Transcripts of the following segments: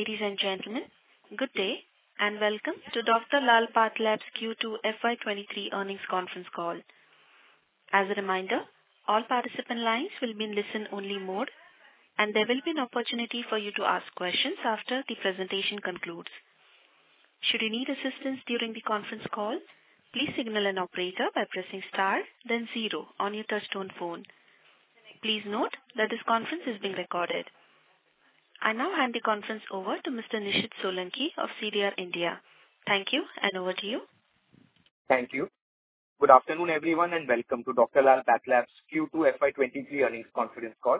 Ladies and gentlemen, good day, and welcome to Dr. Lal PathLabs Q2 FY2023 earnings conference call. As a reminder, all participant lines will be in listen-only mode, and there will be an opportunity for you to ask questions after the presentation concludes. Should you need assistance during the conference call, please signal an operator by pressing star then zero on your touch-tone phone. Please note that this conference is being recorded. I now hand the conference over to Mr. Nishid Solanki of CDR India. Thank you, and over to you. Thank you. Good afternoon, everyone, and welcome to Dr. Lal PathLabs Q2 FY2023 earnings conference call.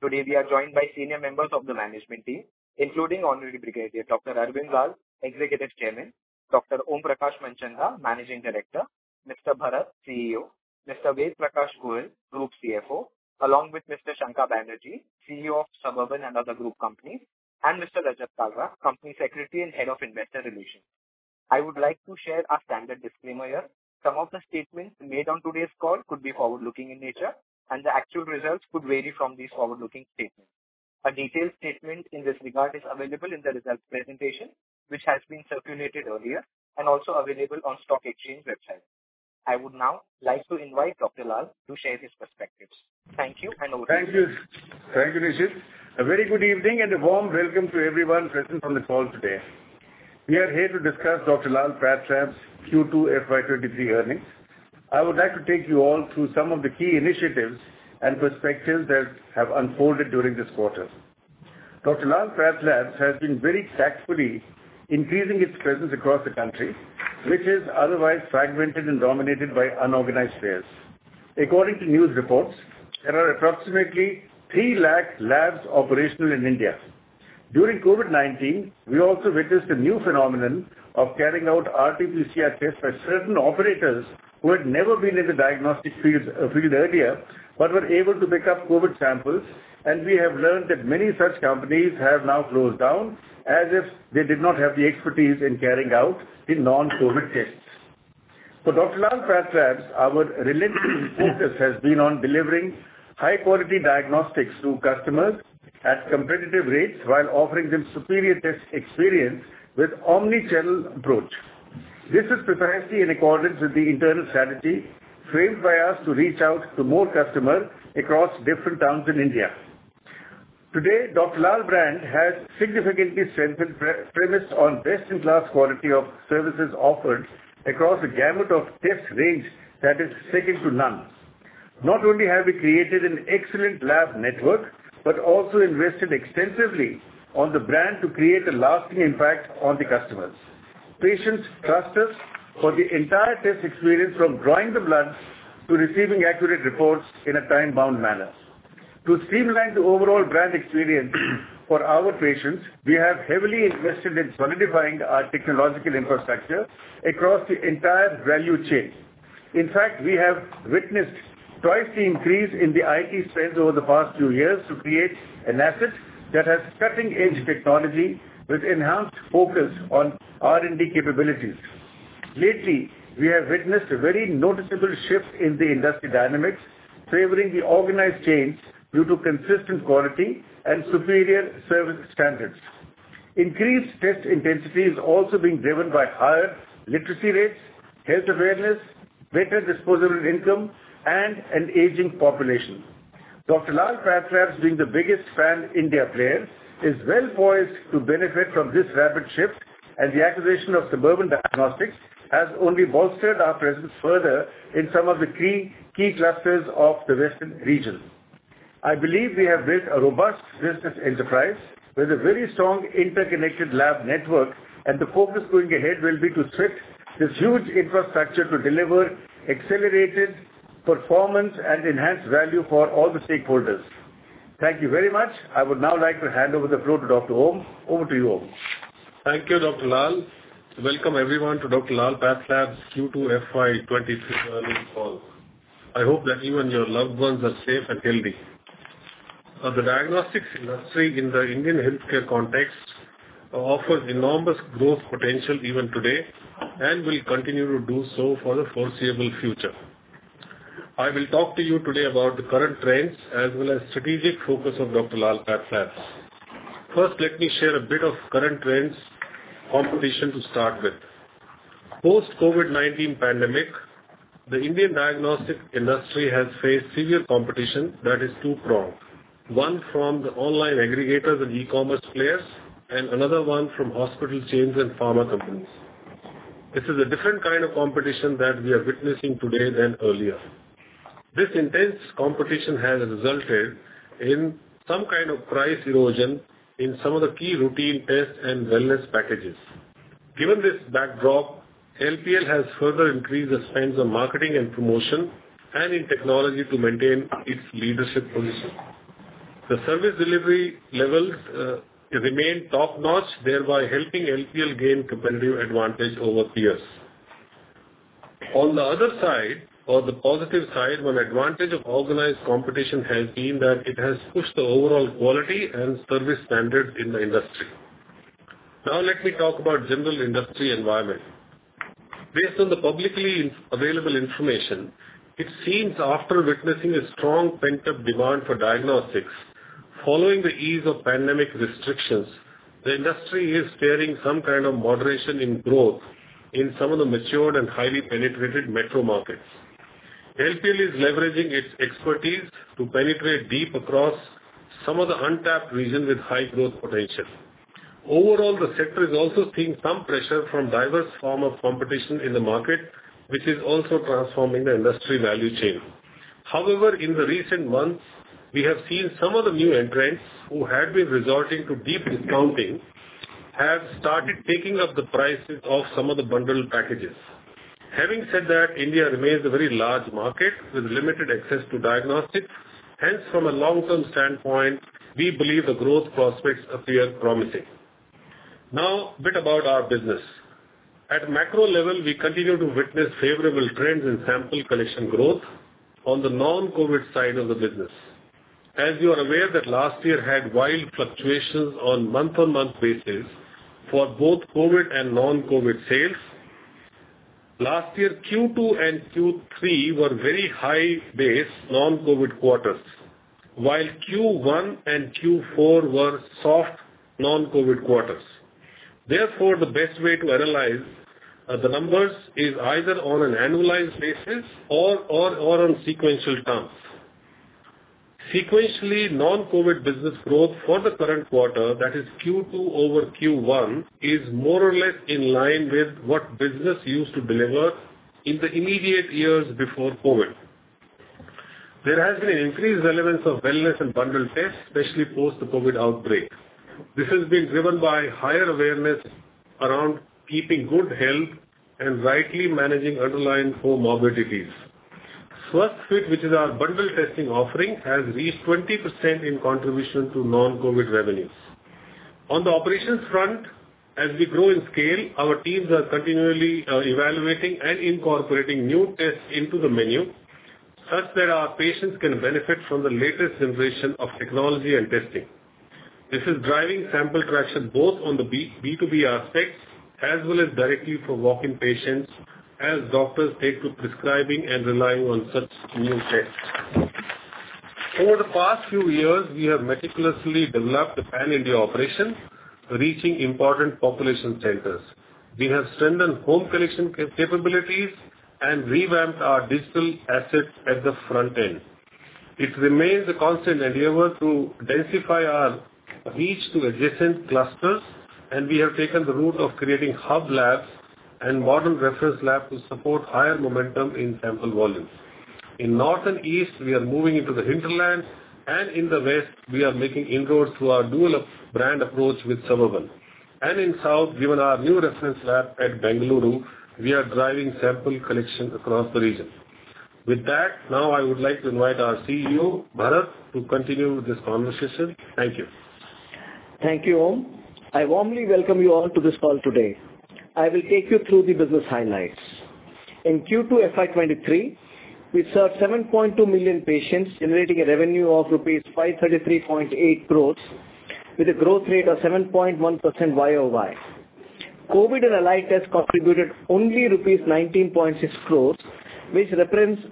Today we are joined by senior members of the management team, including Honorable Brigadier Dr. Arvind Lal, Executive Chairman, Dr. Om Prakash Manchanda, Managing Director, Mr. Bharath, CEO, Mr. Ved Prakash Goel, Group CFO, along with Mr. Shankha Banerjee, CEO of Suburban and other group companies, and Mr. Rajat Kalra, Company Secretary and Head of Investor Relations. I would like to share our standard disclaimer here. Some of the statements made on today's call could be forward-looking in nature, and the actual results could vary from these forward-looking statements. A detailed statement in this regard is available in the results presentation, which has been circulated earlier and also available on stock exchange website. I would now like to invite Dr. Lal to share his perspectives. Thank you, and over to you. Thank you. Thank you, Nishid. A very good evening and a warm welcome to everyone present on the call today. We are here to discuss Dr. Lal PathLabs Q2 FY2023 earnings. I would like to take you all through some of the key initiatives and perspectives that have unfolded during this quarter. Dr. Lal PathLabs has been very tactfully increasing its presence across the country, which is otherwise fragmented and dominated by unorganized players. According to news reports, there are approximately 3 lakh labs operational in India. During COVID-19, we also witnessed a new phenomenon of carrying out RTPCR tests by certain operators who had never been in the diagnostic field earlier, but were able to pick up COVID samples, and we have learned that many such companies have now closed down, as if they did not have the expertise in carrying out the non-COVID tests. For Dr. Lal PathLabs, our relentless focus has been on delivering high-quality diagnostics to customers at competitive rates while offering them superior test experience with omnichannel approach. This is precisely in accordance with the internal strategy framed by us to reach out to more customers across different towns in India. Today, Dr. Lal brand has significantly strengthened, premised on best-in-class quality of services offered across a gamut of test range that is second to none. Not only have we created an excellent lab network, but also invested extensively on the brand to create a lasting impact on the customers. Patients trust us for the entire test experience, from drawing the blood to receiving accurate reports in a time-bound manner. To streamline the overall brand experience for our patients, we have heavily invested in solidifying our technological infrastructure across the entire value chain. In fact, we have witnessed twice the increase in the IT spends over the past few years to create an asset that has cutting-edge technology with enhanced focus on R&D capabilities. Lately, we have witnessed a very noticeable shift in the industry dynamics, favoring the organized chains due to consistent quality and superior service standards. Increased test intensity is also being driven by higher literacy rates, health awareness, better disposable income, and an aging population. Dr. Lal PathLabs, being the biggest Pan-India player, is well poised to benefit from this rapid shift, and the acquisition of Suburban Diagnostics has only bolstered our presence further in some of the key clusters of the western region. I believe we have built a robust business enterprise with a very strong interconnected lab network, and the focus going ahead will be to shift this huge infrastructure to deliver accelerated performance and enhanced value for all the stakeholders. Thank you very much. I would now like to hand over the floor to Dr. Om. Over to you, Om. Thank you, Dr. Lal. Welcome everyone to Dr. Lal PathLabs Q2 FY 2023 earnings call. I hope that you and your loved ones are safe and healthy. The diagnostics industry in the Indian healthcare context offers enormous growth potential even today, and will continue to do so for the foreseeable future. I will talk to you today about the current trends as well as strategic focus of Dr. Lal PathLabs. First, let me share a bit of current trends competition to start with. Post COVID-19 pandemic, the Indian diagnostic industry has faced severe competition that is two-pronged. One from the online aggregators and e-commerce players, and another one from hospital chains and pharma companies. This is a different kind of competition that we are witnessing today than earlier. This intense competition has resulted in some kind of price erosion in some of the key routine tests and wellness packages. Given this backdrop, LPL has further increased the spends on marketing and promotion and in technology to maintain its leadership position. The service delivery levels remain top-notch, thereby helping LPL gain competitive advantage over peers. On the other side, or the positive side, one advantage of organized competition has been that it has pushed the overall quality and service standards in the industry. Now let me talk about general industry environment. Based on the publicly available information, it seems after witnessing a strong pent-up demand for diagnostics following the ease of pandemic restrictions, the industry is fearing some kind of moderation in growth in some of the matured and highly penetrated metro markets. LPL is leveraging its expertise to penetrate deep across some of the untapped regions with high growth potential. Overall, the sector is also seeing some pressure from diverse form of competition in the market, which is also transforming the industry value chain. However, in the recent months, we have seen some of the new entrants who had been resorting to deep discounting have started taking up the prices of some of the bundled packages. Having said that, India remains a very large market with limited access to diagnostics. Hence, from a long-term standpoint, we believe the growth prospects appear promising. Now, a bit about our business. At macro level, we continue to witness favorable trends in sample collection growth on the non-COVID side of the business. As you are aware that last year had wild fluctuations on month-on-month basis for both COVID and non-COVID sales. Last year, Q2 and Q3 were very high base non-COVID quarters, while Q1 and Q4 were soft non-COVID quarters. The best way to analyze the numbers is either on an annualized basis or on sequential terms. Sequentially, non-COVID business growth for the current quarter, that is Q2/Q1, is more or less in line with what business used to deliver in the immediate years before COVID. There has been an increased relevance of wellness and bundled tests, especially post the COVID outbreak. This has been driven by higher awareness around keeping good health and rightly managing underlying comorbidities. Swasthfit, which is our bundled testing offering, has reached 20% in contribution to non-COVID revenues. On the operations front, as we grow in scale, our teams are continually evaluating and incorporating new tests into the menu such that our patients can benefit from the latest innovation of technology and testing. This is driving sample traction both on the B2B aspects as well as directly for walk-in patients as doctors take to prescribing and relying on such new tests. Over the past few years, we have meticulously developed a pan-India operation, reaching important population centers. We have strengthened home collection capabilities and revamped our digital assets at the front end. It remains a constant endeavor to densify our reach to adjacent clusters, and we have taken the route of creating hub labs and modern reference lab to support higher momentum in sample volumes. In north and east, we are moving into the hinterland, and in the west, we are making inroads through our dual brand approach with Suburban. In south, given our new reference lab at Bengaluru, we are driving sample collection across the region. With that, now I would like to invite our CEO, Bharath, to continue with this conversation. Thank you. Thank you, Om. I warmly welcome you all to this call today. I will take you through the business highlights. In Q2 FY 2023, we served 7.2 million patients, generating a revenue of rupees 533.8 crores with a growth rate of 7.1% year-over-year. COVID and allied tests contributed only INR 19.6 crores, which represents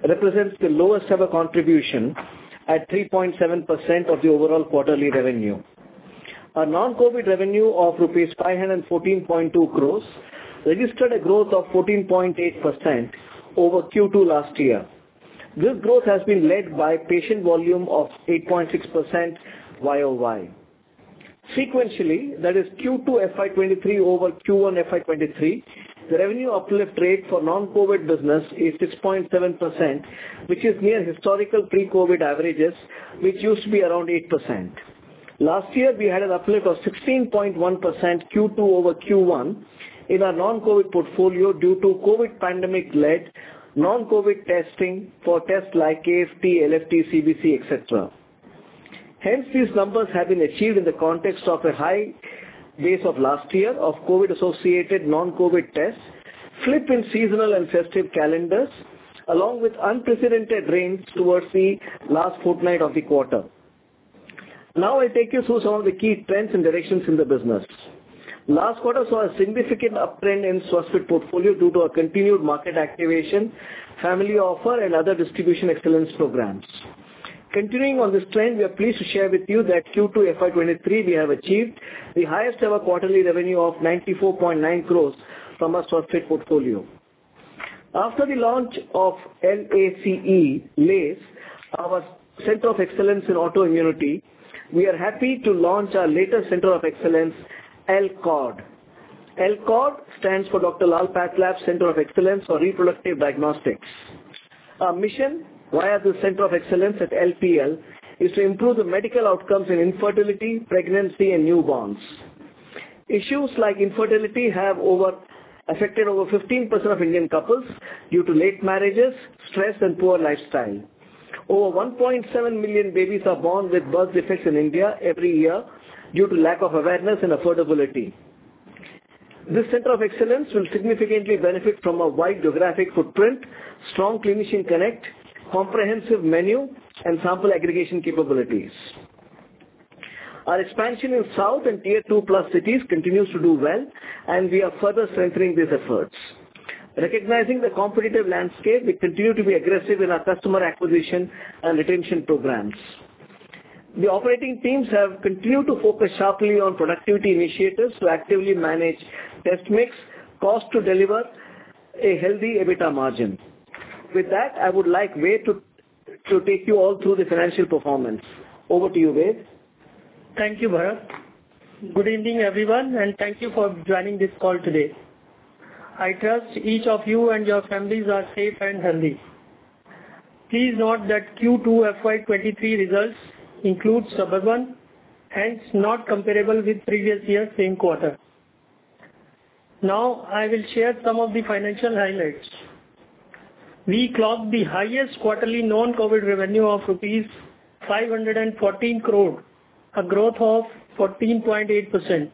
the lowest ever contribution at 3.7% of the overall quarterly revenue. Our non-COVID revenue of 514.2 crores rupees registered a growth of 14.8% over Q2 last year. This growth has been led by patient volume of 8.6% year-over-year. Sequentially, that is Q2 FY 2023/Q1 FY 2023, the revenue uplift rate for non-COVID business is 6.7%, which is near historical pre-COVID averages, which used to be around 8%. Last year, we had an uplift of 16.1% Q2/Q1 in our non-COVID portfolio due to COVID pandemic-led non-COVID testing for tests like KFT, LFT, CBC, et cetera. Hence, these numbers have been achieved in the context of a high base of last year of COVID-associated non-COVID tests, flip in seasonal and festive calendars, along with unprecedented rains towards the last fortnight of the quarter. I take you through some of the key trends and directions in the business. Last quarter saw a significant uptrend in Swasthfit portfolio due to our continued market activation, family offer, and other distribution excellence programs. Continuing on this trend, we are pleased to share with you that Q2 FY 2023, we have achieved the highest ever quarterly revenue of 94.9 crores from our Swasthfit portfolio. After the launch of LACE, our center of excellence in autoimmunity, we are happy to launch our latest center of excellence, LCORD. LCORD stands for Dr. Lal PathLabs Center of Excellence for Reproductive Diagnostics. Our mission, via the Center of Excellence at LPL, is to improve the medical outcomes in infertility, pregnancy, and newborns. Issues like infertility have affected over 15% of Indian couples due to late marriages, stress, and poor lifestyle. Over 1.7 million babies are born with birth defects in India every year due to lack of awareness and affordability. This center of excellence will significantly benefit from a wide geographic footprint, strong clinician connect, comprehensive menu, and sample aggregation capabilities. Our expansion in South and Tier 2 plus cities continues to do well, and we are further centering these efforts. Recognizing the competitive landscape, we continue to be aggressive in our customer acquisition and retention programs. The operating teams have continued to focus sharply on productivity initiatives to actively manage test mix cost to deliver a healthy EBITDA margin. With that, I would like Ved to take you all through the financial performance. Over to you, Ved. Thank you, Bharath. Good evening, everyone, and thank you for joining this call today. I trust each of you and your families are safe and healthy. Please note that Q2 FY 2023 results include Suburban, hence not comparable with previous year same quarter. I will share some of the financial highlights. We clocked the highest quarterly non-COVID revenue of rupees 514 crore, a growth of 14.8%.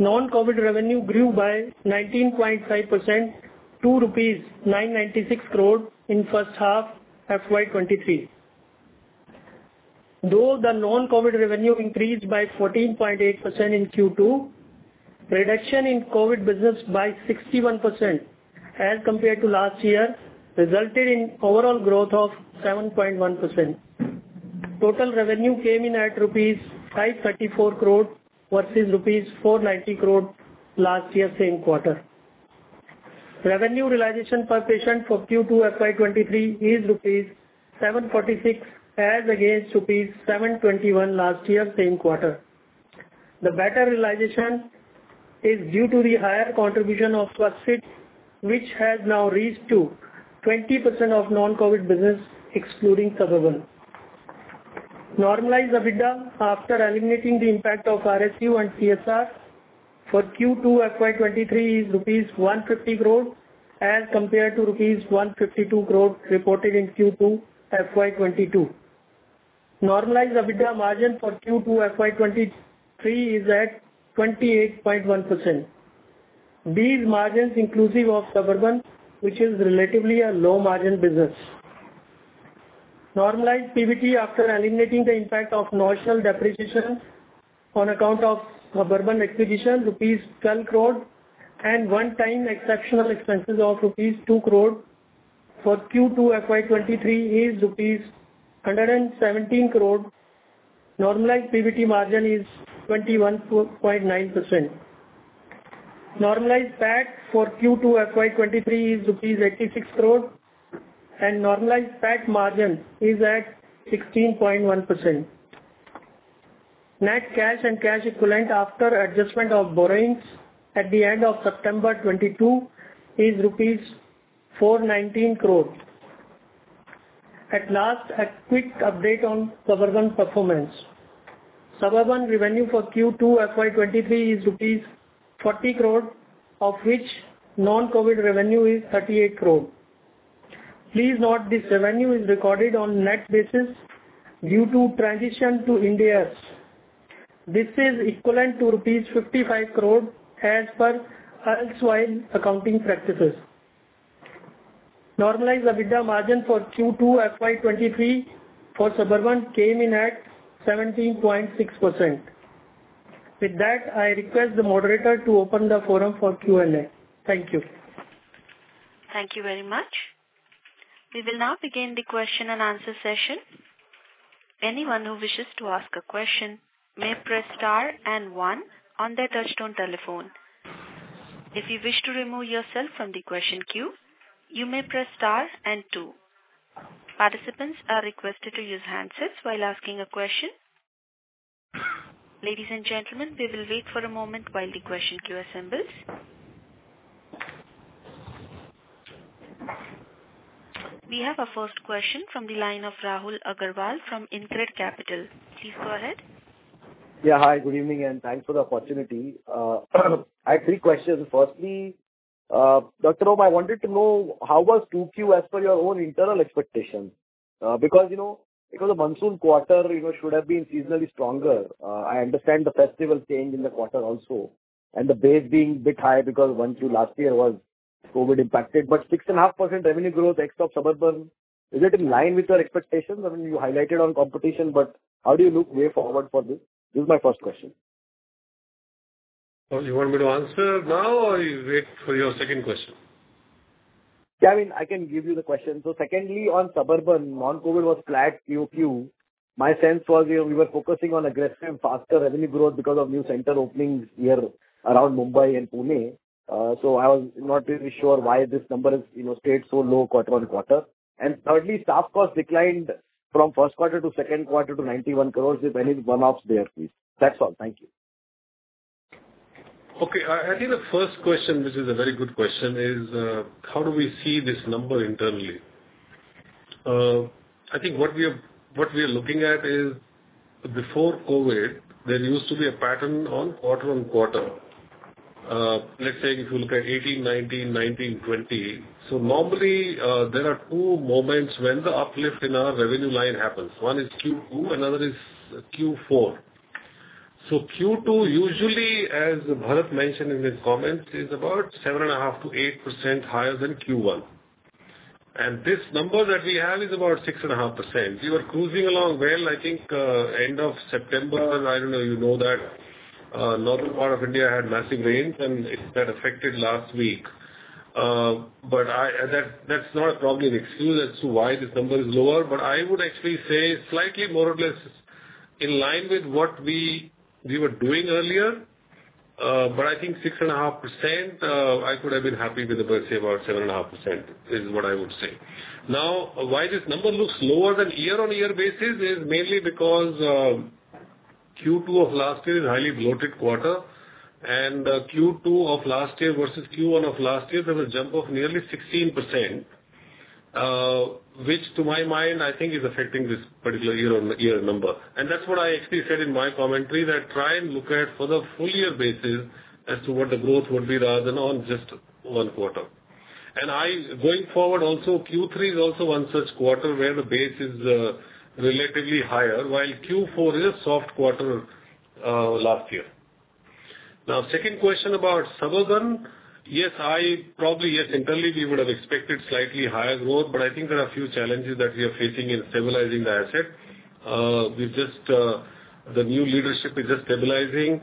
Non-COVID revenue grew by 19.5%, to rupees 996 crore in first half FY 2023. Though the non-COVID revenue increased by 14.8% in Q2, reduction in COVID business by 61% as compared to last year resulted in overall growth of 7.1%. Total revenue came in at rupees 534 crore versus rupees 490 crore last year same quarter. Revenue realization per patient for Q2 FY 2023 is rupees 746 as against rupees 721 last year same quarter. The better realization is due to the higher contribution of Swasthfit, which has now reached to 20% of non-COVID business excluding Suburban. Normalized EBITDA after eliminating the impact of RSU and CSR for Q2 FY 2023 is rupees 150 crore as compared to rupees 152 crore reported in Q2 FY 2022. Normalized EBITDA margin for Q2 FY 2023 is at 28.1%. These margins inclusive of Suburban, which is relatively a low margin business. Normalized PBT after eliminating the impact of notional depreciation on account of Suburban acquisition, rupees 12 crore and one-time exceptional expenses of rupees 2 crore for Q2 FY 2023 is rupees 117 crore. Normalized PBT margin is 21.9%. Normalized PAT for Q2 FY 2023 is rupees 86 crore, and normalized PAT margin is at 16.1%. Net cash and cash equivalent after adjustment of borrowings at the end of September 2022 is rupees 419 crore. At last, a quick update on Suburban performance. Suburban revenue for Q2 FY 2023 is rupees 40 crore, of which non-COVID revenue is 38 crore. Please note this revenue is recorded on net basis due to transition to Ind AS. This is equivalent to 55 crore rupees as per erstwhile accounting practices. Normalized EBITDA margin for Q2 FY 2023 for Suburban came in at 17.6%. With that, I request the moderator to open the forum for Q&A. Thank you. Thank you very much. We will now begin the question and answer session. Anyone who wishes to ask a question may press star and one on their touch-tone telephone. If you wish to remove yourself from the question queue, you may press star and two. Participants are requested to use handsets while asking a question. Ladies and gentlemen, we will wait for a moment while the question queue assembles. We have our first question from the line of Rahul Agarwal from InCred Capital. Please go ahead. Yeah. Hi, good evening, and thanks for the opportunity. I have three questions. Firstly, Om Prakash, I wanted to know how was 2Q as per your own internal expectations. The monsoon quarter should have been seasonally stronger. I understand the festival change in the quarter also, and the base being a bit high because 2Q last year was COVID-impacted, but 6.5% revenue growth ex-Suburban, is it in line with your expectations? I mean, you highlighted on competition, how do you look way forward for this? This is my first question. You want me to answer now or you wait for your second question? Yeah, I can give you the question. Secondly, on Suburban, non-COVID was flat quarter-over-quarter. My sense was we were focusing on aggressive and faster revenue growth because of new center openings here around Mumbai and Pune. I was not really sure why this number stayed so low quarter-on-quarter. Thirdly, staff cost declined from first quarter to second quarter to 91 crore. If any one-offs there, please. That's all. Thank you. I think the first question, which is a very good question, is how do we see this number internally? I think what we are looking at is before COVID, there used to be a pattern on quarter-on-quarter. Let's say if you look at 2018, 2019, 2020. Normally, there are two moments when the uplift in our revenue line happens. One is Q2, another is Q4. Q2 usually, as Bharath mentioned in his comments, is about 7.5%-8% higher than Q1. This number that we have is about 6.5%. We were cruising along well, I think end of September. I don't know you know that northern part of India had massive rains and that affected last week. That's not probably an excuse as to why this number is lower, but I would actually say slightly more or less in line with what we were doing earlier. I think 6.5%, I could have been happy with, let's say about 7.5%, is what I would say. Why this number looks lower than year-over-year basis is mainly because Q2 of last year is highly bloated quarter and Q2 of last year versus Q1 of last year there was a jump of nearly 16%, which to my mind, I think is affecting this particular year-over-year number. That's what I actually said in my commentary, that try and look at for the full year basis as to what the growth would be rather than on just one quarter. Going forward also, Q3 is also one such quarter where the base is relatively higher, while Q4 is a soft quarter last year. Second question about Suburban. Yes, probably, internally we would have expected slightly higher growth. I think there are a few challenges that we are facing in stabilizing the asset. The new leadership is just stabilizing.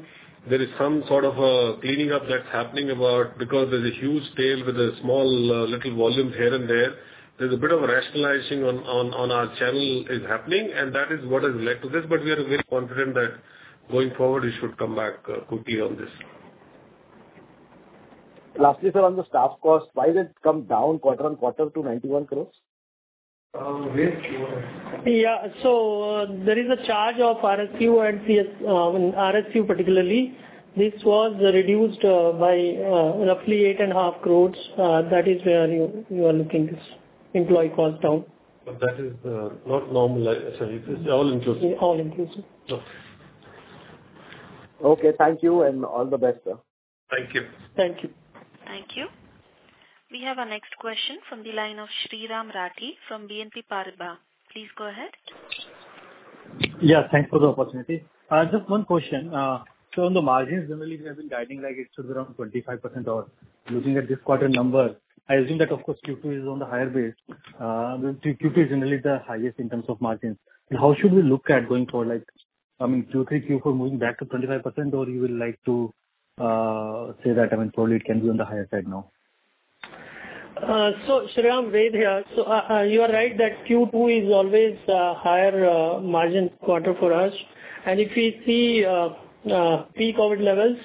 There is some sort of a cleaning up that's happening because there's a huge tail with a small little volume here and there. There's a bit of rationalizing on our channel is happening, and that is what has led to this. We are very confident that going forward, we should come back quickly on this. Lastly, sir, on the staff cost, why did it come down quarter-over-quarter to 91 crores? Where, Ved? Yeah. There is a charge of RSU and CS. RSU, particularly. This was reduced by roughly 8.5 crores. That is where you are looking this employee cost down. That is not normalized. Sorry, it is all inclusive. All inclusive. Okay. Okay. Thank you and all the best, sir. Thank you. Thank you. Thank you. We have our next question from the line of Shriram Patki from BNP Paribas. Please go ahead. Yeah, thanks for the opportunity. Just one question. On the margins, generally we have been guiding like it should be around 25% or losing at this quarter number. I assume that, of course, Q2 is on the higher base. Q2 is generally the highest in terms of margins. How should we look at going forward? I mean, Q3, Q4 moving back to 25%, or you will like to say that, probably it can be on the higher side now? Shriram, Ved here. You are right that Q2 is always a higher margin quarter for us. If we see pre-COVID levels,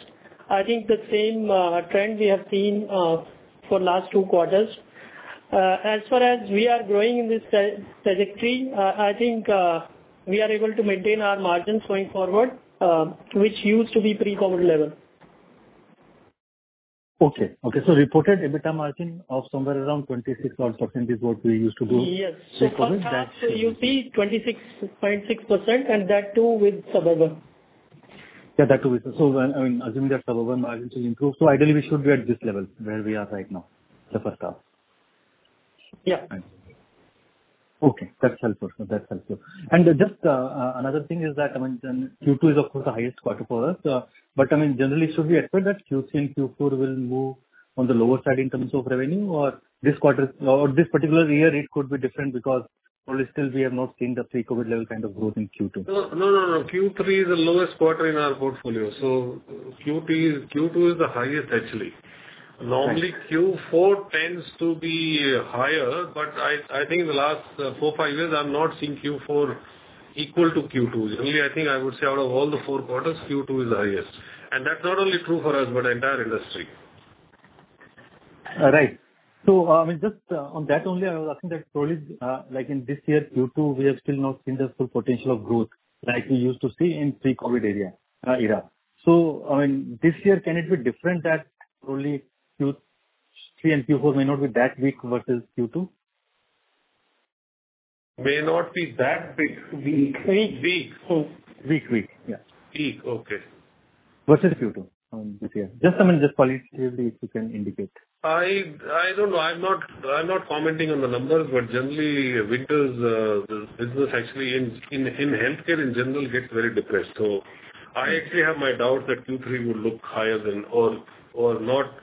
I think the same trend we have seen for last two quarters. As far as we are growing in this trajectory, I think we are able to maintain our margins going forward, which used to be pre-COVID level. Okay. Reported EBITDA margin of somewhere around 26-odd% is what we used to do. Yes. Pre-COVID. For half, you'll see 26.6% and that too with Suburban. Yeah, that too. Assuming that Suburban margins will improve. Ideally we should be at this level where we are right now for first half. Yeah. Okay, that's helpful. Just another thing is that, Q2 is of course the highest quarter for us. Generally should we expect that Q3 and Q4 will move on the lower side in terms of revenue or this particular year it could be different because probably still we have not seen the pre-COVID level kind of growth in Q2? No, Q3 is the lowest quarter in our portfolio. Q2 is the highest actually. Thanks. Normally Q4 tends to be higher, I think in the last four, five years, I've not seen Q4 equal to Q2. Generally, I think I would say out of all the four quarters, Q2 is the highest. That's not only true for us, but entire industry. Right. Just on that only, I was asking that probably, like in this year Q2, we have still not seen the full potential of growth like we used to see in pre-COVID era. This year, can it be different that probably Q3 and Q4 may not be that weak versus Q2? May not be that big weak. Weak. Weak. Weak. Yeah. Weak. Okay. Versus Q2 this year. Just qualitatively if you can indicate. I don't know. I'm not commenting on the numbers, but generally winter's business actually in healthcare in general gets very depressed. I actually have my doubt that Q3 will look higher than or not.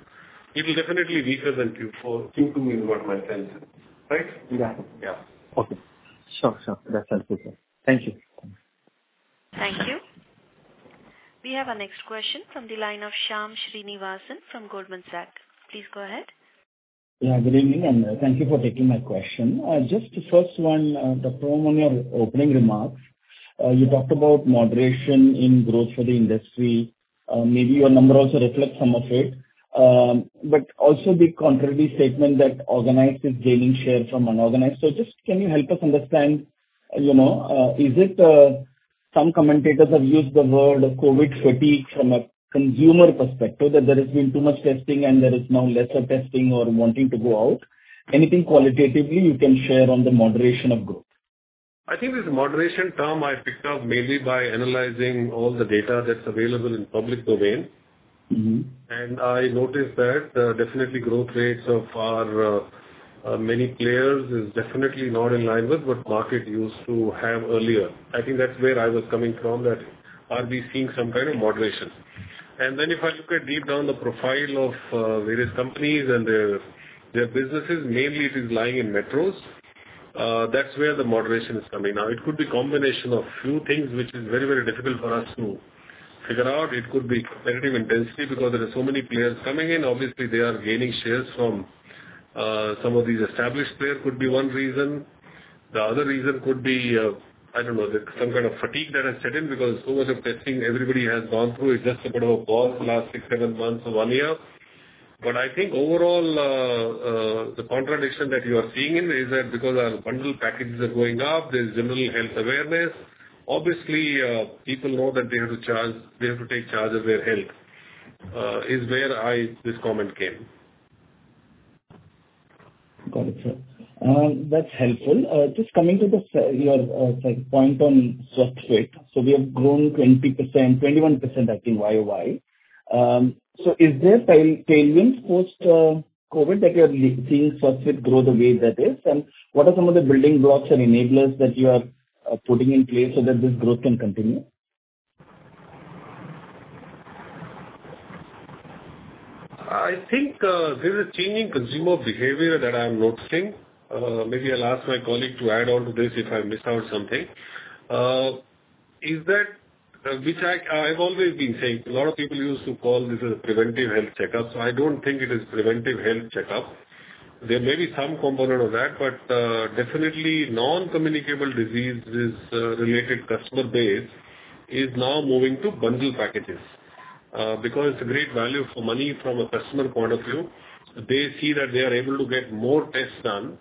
It will definitely weaker than Q4. Q2 is what my sense is. Right? Yeah. Yeah. Okay. Sure. That's helpful, sir. Thank you. Thank you. We have our next question from the line of Shyam Srinivasan from Goldman Sachs. Please go ahead. Good evening, thank you for taking my question. Just first one, Dr. Om Prakash, on your opening remarks, you talked about moderation in growth for the industry. Maybe your number also reflects some of it, but also the contrary statement that organized is gaining share from unorganized. Just can you help us understand, some commentators have used the word COVID fatigue from a consumer perspective, that there has been too much testing and there is now lesser testing or wanting to go out. Anything qualitatively you can share on the moderation of growth? I think this moderation term I picked up mainly by analyzing all the data that's available in public domain. I noticed that definitely growth rates of our many players is definitely not in line with what market used to have earlier. I think that's where I was coming from, that are we seeing some kind of moderation? Then if I look deep down the profile of various companies and their businesses, mainly it is lying in metros. That's where the moderation is coming. Now, it could be combination of few things, which is very difficult for us to figure out. It could be competitive intensity because there are so many players coming in. Obviously, they are gaining shares from some of these established player could be one reason. The other reason could be, I don't know, some kind of fatigue that has set in because so much of testing everybody has gone through. It's just a bit of a pause last six, seven months or one year. I think overall, the contradiction that you are seeing in is that because our bundle packages are going up, there's general health awareness. Obviously, people know that they have to take charge of their health, is where this comment came. Got it, sir. That's helpful. Just coming to your point on Swasthfit. We have grown 21% I think YoY. Is there tailwinds post-COVID that you are seeing Swasthfit grow the way that it is? What are some of the building blocks and enablers that you are putting in place so that this growth can continue? I think there's a changing consumer behavior that I'm noticing. Maybe I'll ask my colleague to add on to this if I missed out something. I've always been saying, a lot of people used to call this a preventive health checkup. I don't think it is preventive health checkup. There may be some component of that, but definitely non-communicable diseases related customer base is now moving to bundle packages. Because it's a great value for money from a customer point of view. They see that they are able to get more tests done,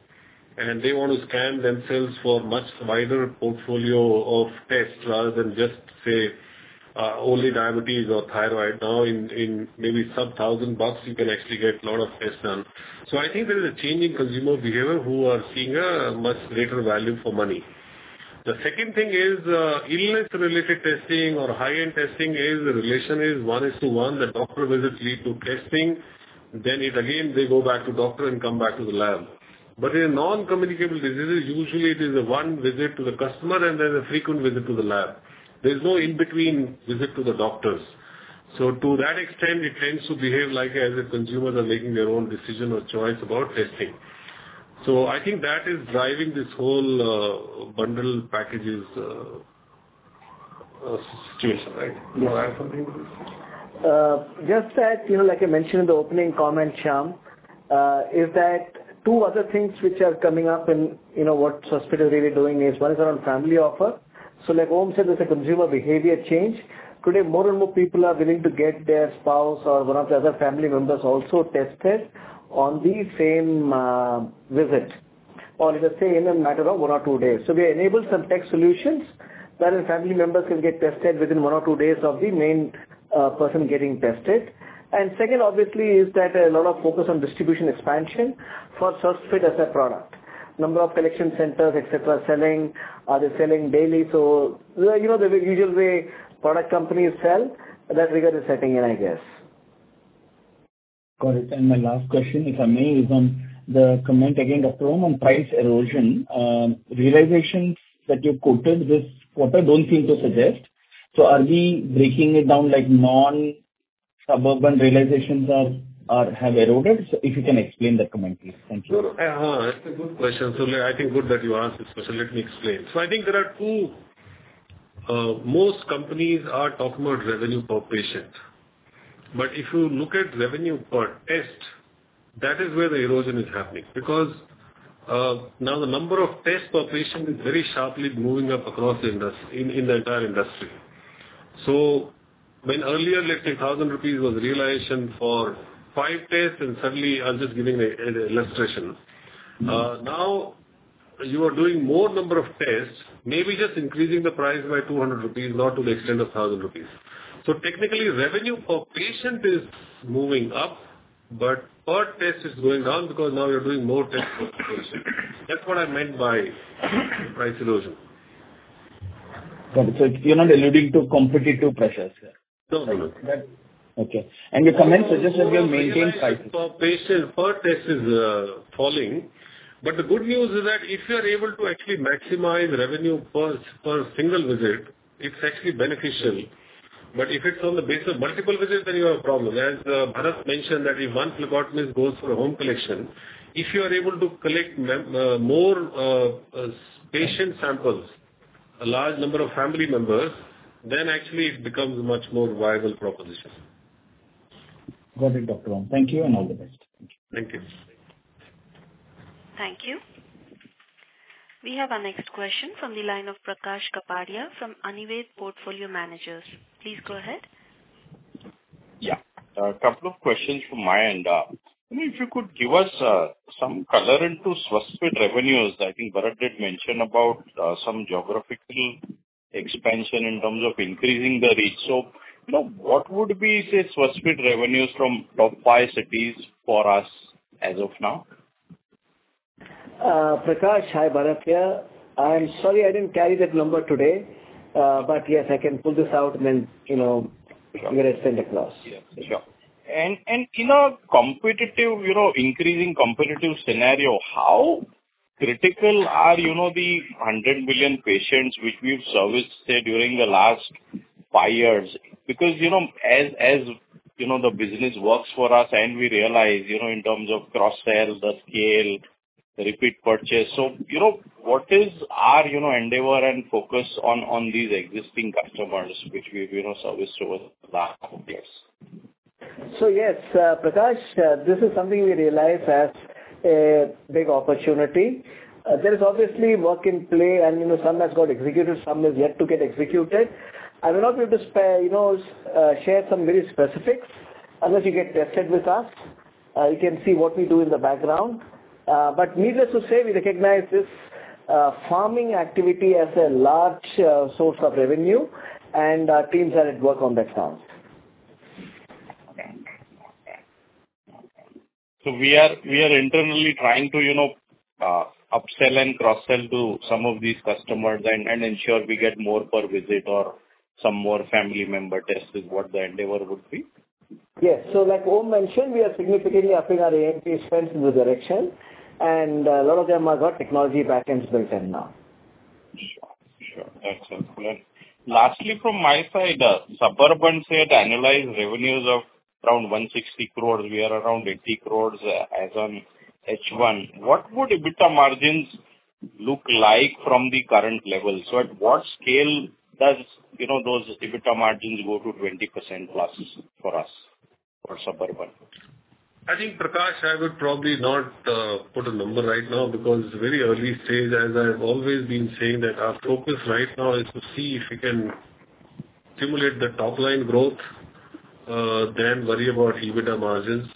and they want to scan themselves for much wider portfolio of tests rather than just, say, only diabetes or thyroid. Now in maybe sub INR 1,000, you can actually get lot of tests done. I think there is a change in consumer behavior who are seeing a much greater value for money. The second thing is, illness-related testing or high-end testing is the relation is 1 is to 1. The doctor visits lead to testing. Again, they go back to doctor and come back to the lab. In non-communicable diseases, usually it is a one visit to the customer and then a frequent visit to the lab. There's no in between visit to the doctors. To that extent, it tends to behave like as a consumer they're making their own decision or choice about testing. I think that is driving this whole bundle packages situation. You want to add something to this? Just that, like I mentioned in the opening comment, Shyam, is that two other things which are coming up and what Swasthfit is really doing is one is around family offer. Like Om said, there's a consumer behavior change. Today, more and more people are willing to get their spouse or one of the other family members also tested on the same visit or in a matter of one or two days. We enabled some tech solutions wherein family members can get tested within one or two days of the main person getting tested. Second obviously, is that a lot of focus on distribution expansion for Swasthfit as a product. Number of collection centers, et cetera, are they selling daily? The usual way product companies sell, that rigor is setting in, I guess. Got it. My last question, if I may, is on the comment again of volume on price erosion. Realizations that you've quoted this quarter don't seem to suggest. Are we breaking it down like non-Suburban realizations have eroded? If you can explain that comment, please. Thank you. That's a good question. I think good that you asked this question. Let me explain. Most companies are talking about revenue per patient. If you look at revenue per test, that is where the erosion is happening. Now the number of tests per patient is very sharply moving up across in the entire industry. When earlier, let's say 1,000 rupees was realization for five tests, and suddenly I'm just giving an illustration. Now you are doing more number of tests, maybe just increasing the price by 200 rupees, not to the extent of 1,000 rupees. Technically, revenue per patient is moving up, but per test is going down because now you're doing more tests per patient. That's what I meant by price erosion. Got it. You're not alluding to competitive pressures here? No. Okay. Your comment suggested you're maintaining prices. Per test is falling. The good news is that if you are able to actually maximize revenue per single visit, it's actually beneficial. If it's on the basis of multiple visits, then you have a problem. As Bharath mentioned that if one Prakash. Hi, Bharath here. I'm sorry I didn't carry that number today. Yes, I can pull this out and then we'll extend across. Yeah, sure. In an increasing competitive scenario, how- Critical are the 100 million patients which we've serviced, say, during the last five years, because as the business works for us and we realize in terms of cross-sell, the scale, the repeat purchase. What is our endeavor and focus on these existing customers which we've serviced over the last couple of years? Yes, Prakash, this is something we realize as a big opportunity. There is obviously work in play and some has got executed, some is yet to get executed. I will not be able to share some very specifics unless you get tested with us. You can see what we do in the background. Needless to say, we recognize this farming activity as a large source of revenue, and our teams are at work on that now. Okay. We are internally trying to upsell and cross-sell to some of these customers and ensure we get more per visit or some more family member tests is what the endeavor would be? Yes. Like Om mentioned, we are significantly upping our AMP spends in the direction, and a lot of them have got technology backends built in now. Sure. That's helpful. Lastly, from my side, Suburban said annualized revenues of around 160 crore. We are around 80 crore as on H1. What would EBITDA margins look like from the current level? At what scale does those EBITDA margins go to 20%+ for us for Suburban? I think, Prakash, I would probably not put a number right now because it's very early stage. As I've always been saying that our focus right now is to see if we can stimulate the top-line growth, then worry about EBITDA margins.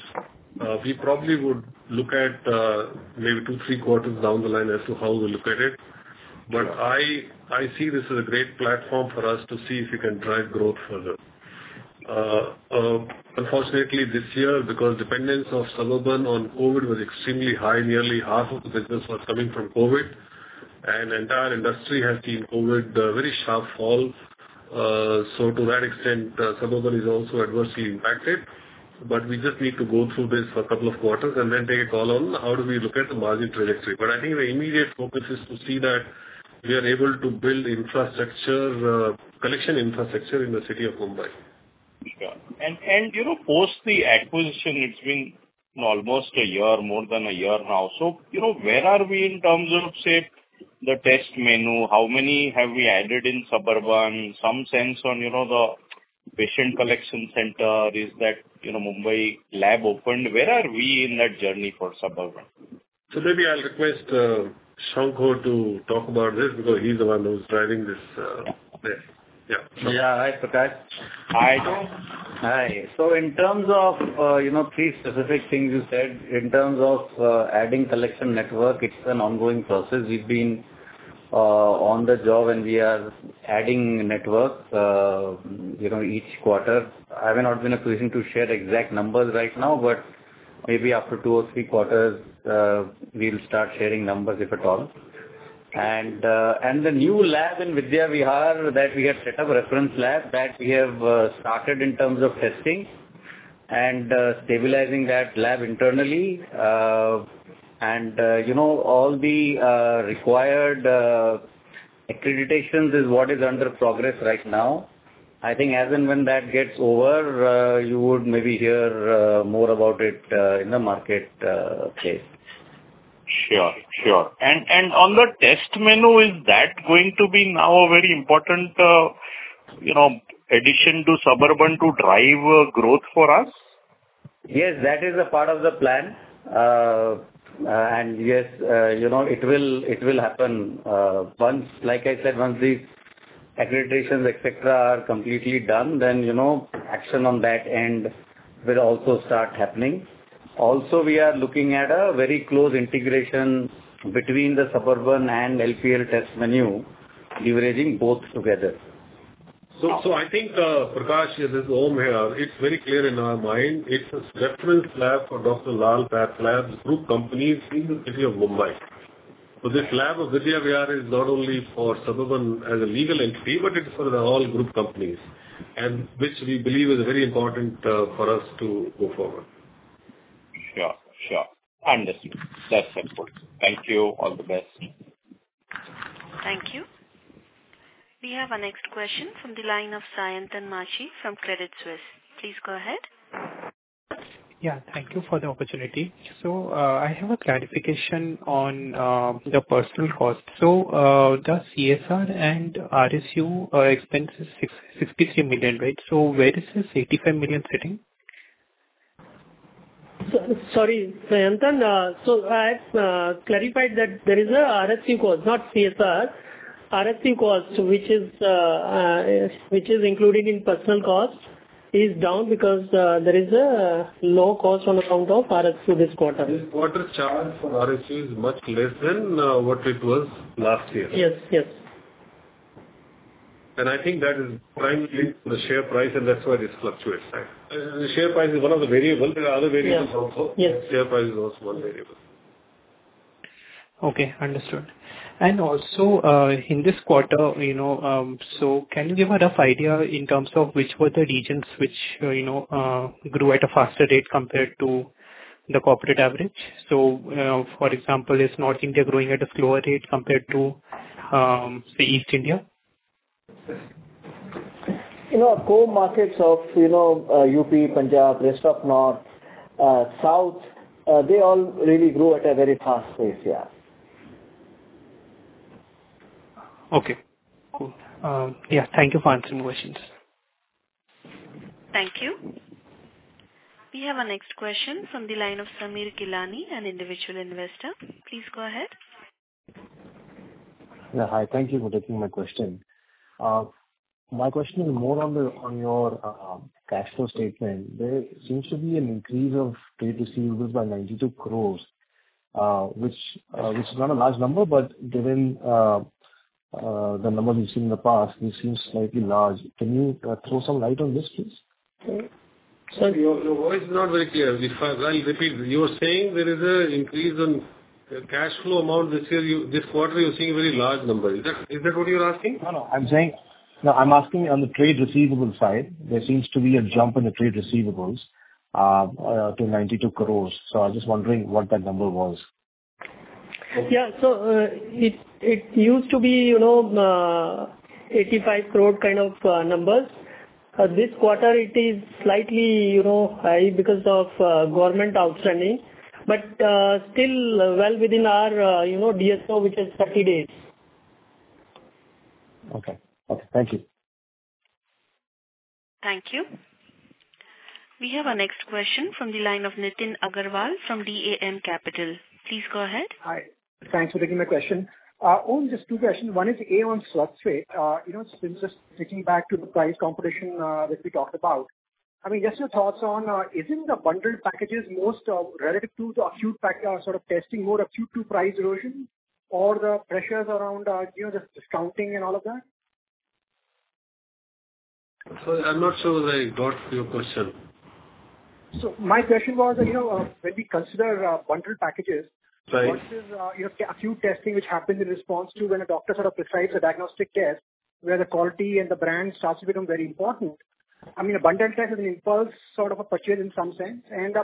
We probably would look at maybe two, three quarters down the line as to how we look at it. I see this as a great platform for us to see if we can drive growth further. Unfortunately, this year, because dependence of Suburban on COVID was extremely high, nearly half of the business was coming from COVID, and entire industry has seen COVID, a very sharp fall. To that extent, Suburban is also adversely impacted. We just need to go through this for a couple of quarters and then take a call on how do we look at the margin trajectory. I think the immediate focus is to see that we are able to build collection infrastructure in the city of Mumbai. Sure. Post the acquisition, it's been almost a year, more than a year now. Where are we in terms of, say, the test menu, how many have we added in Suburban, some sense on the patient collection center. Is that Mumbai lab opened? Where are we in that journey for Suburban? Maybe I'll request Shankha to talk about this because he's the one who's driving this space. Yeah. Yeah. Hi, Prakash. Hi. In terms of three specific things you said, in terms of adding collection network, it's an ongoing process. We've been on the job and we are adding network each quarter. I may not be in a position to share exact numbers right now, but maybe after 2 or 3 quarters, we'll start sharing numbers, if at all. The new lab in Vidyavihar that we have set up, a reference lab that we have started in terms of testing and stabilizing that lab internally. All the required accreditations is what is under progress right now. I think as and when that gets over, you would maybe hear more about it in the marketplace. Sure. On the test menu, is that going to be now a very important addition to Suburban to drive growth for us? Yes, that is a part of the plan. Yes, it will happen. Like I said, once these accreditations, et cetera, are completely done, action on that end will also start happening. We are looking at a very close integration between the Suburban and LPL test menu, leveraging both together. I think, Prakash, this is Om here. It is very clear in our mind it is a reference lab for Dr. Lal PathLabs group companies in the city of Mumbai. This lab of Vidyavihar is not only for Suburban as a legal entity, but it is for all group companies, and which we believe is very important for us to go forward. Sure. Understood. That is helpful. Thank you. All the best. Thank you. We have our next question from the line of Sayantan Maji from Credit Suisse. Please go ahead. Thank you for the opportunity. I have a clarification on the personal cost. The CSR and RSU expense is 63 million, right? Where is this 85 million sitting? Sorry, Sayantan. I had clarified that there is a RSU cost, not CSR. RSU cost which is included in personal cost is down because there is a low cost on account of RSU this quarter. This quarter's charge for RSU is much less than what it was last year. Yes. I think that is primarily from the share price and that's why this fluctuates, right? The share price is one of the variables. There are other variables also. Yes. Share price is also one variable. Okay, understood. In this quarter, can you give a rough idea in terms of which were the regions which grew at a faster rate compared to the corporate average? For example, is North India growing at a slower rate compared to, say, East India? Our core markets of UP, Punjab, rest of North, South, they all really grew at a very fast pace, yeah. Okay, cool. Yeah. Thank you for answering questions. Thank you. We have our next question from the line of Samir Gilani, an individual investor. Please go ahead. Yeah. Hi. Thank you for taking my question. My question is more on your cash flow statement. There seems to be an increase of trade receivables by 92 crores, which is not a large number, but given the numbers we've seen in the past, this seems slightly large. Can you throw some light on this, please? Sorry, your voice is not very clear. I'll repeat. You're saying there is an increase in cash flow amount this quarter you're seeing a very large number. Is that what you're asking? No, I'm asking on the trade receivables side, there seems to be a jump in the trade receivables to 92 crores. I was just wondering what that number was. Yeah. It used to be 85 crore kind of numbers. This quarter, it is slightly high because of government outstanding. Still well within our DSO, which is 30 days. Okay. Thank you. Thank you. We have our next question from the line of Nitin Agarwal from DAM Capital. Please go ahead. Hi. Thanks for taking my question. Om, just two questions. One is on Swasthfit. Just sticking back to the price competition that we talked about. I mean, just your thoughts on isn't the bundled packages most relative to the acute factor sort of testing more acute to price erosion or the pressures around just discounting and all of that? Sorry, I'm not sure I got your question. My question was, when we consider bundled packages. Right Versus your acute testing, which happens in response to when a doctor sort of prescribes a diagnostic test, where the quality and the brand starts to become very important. I mean, a bundled test is an impulse sort of a purchase in some sense, and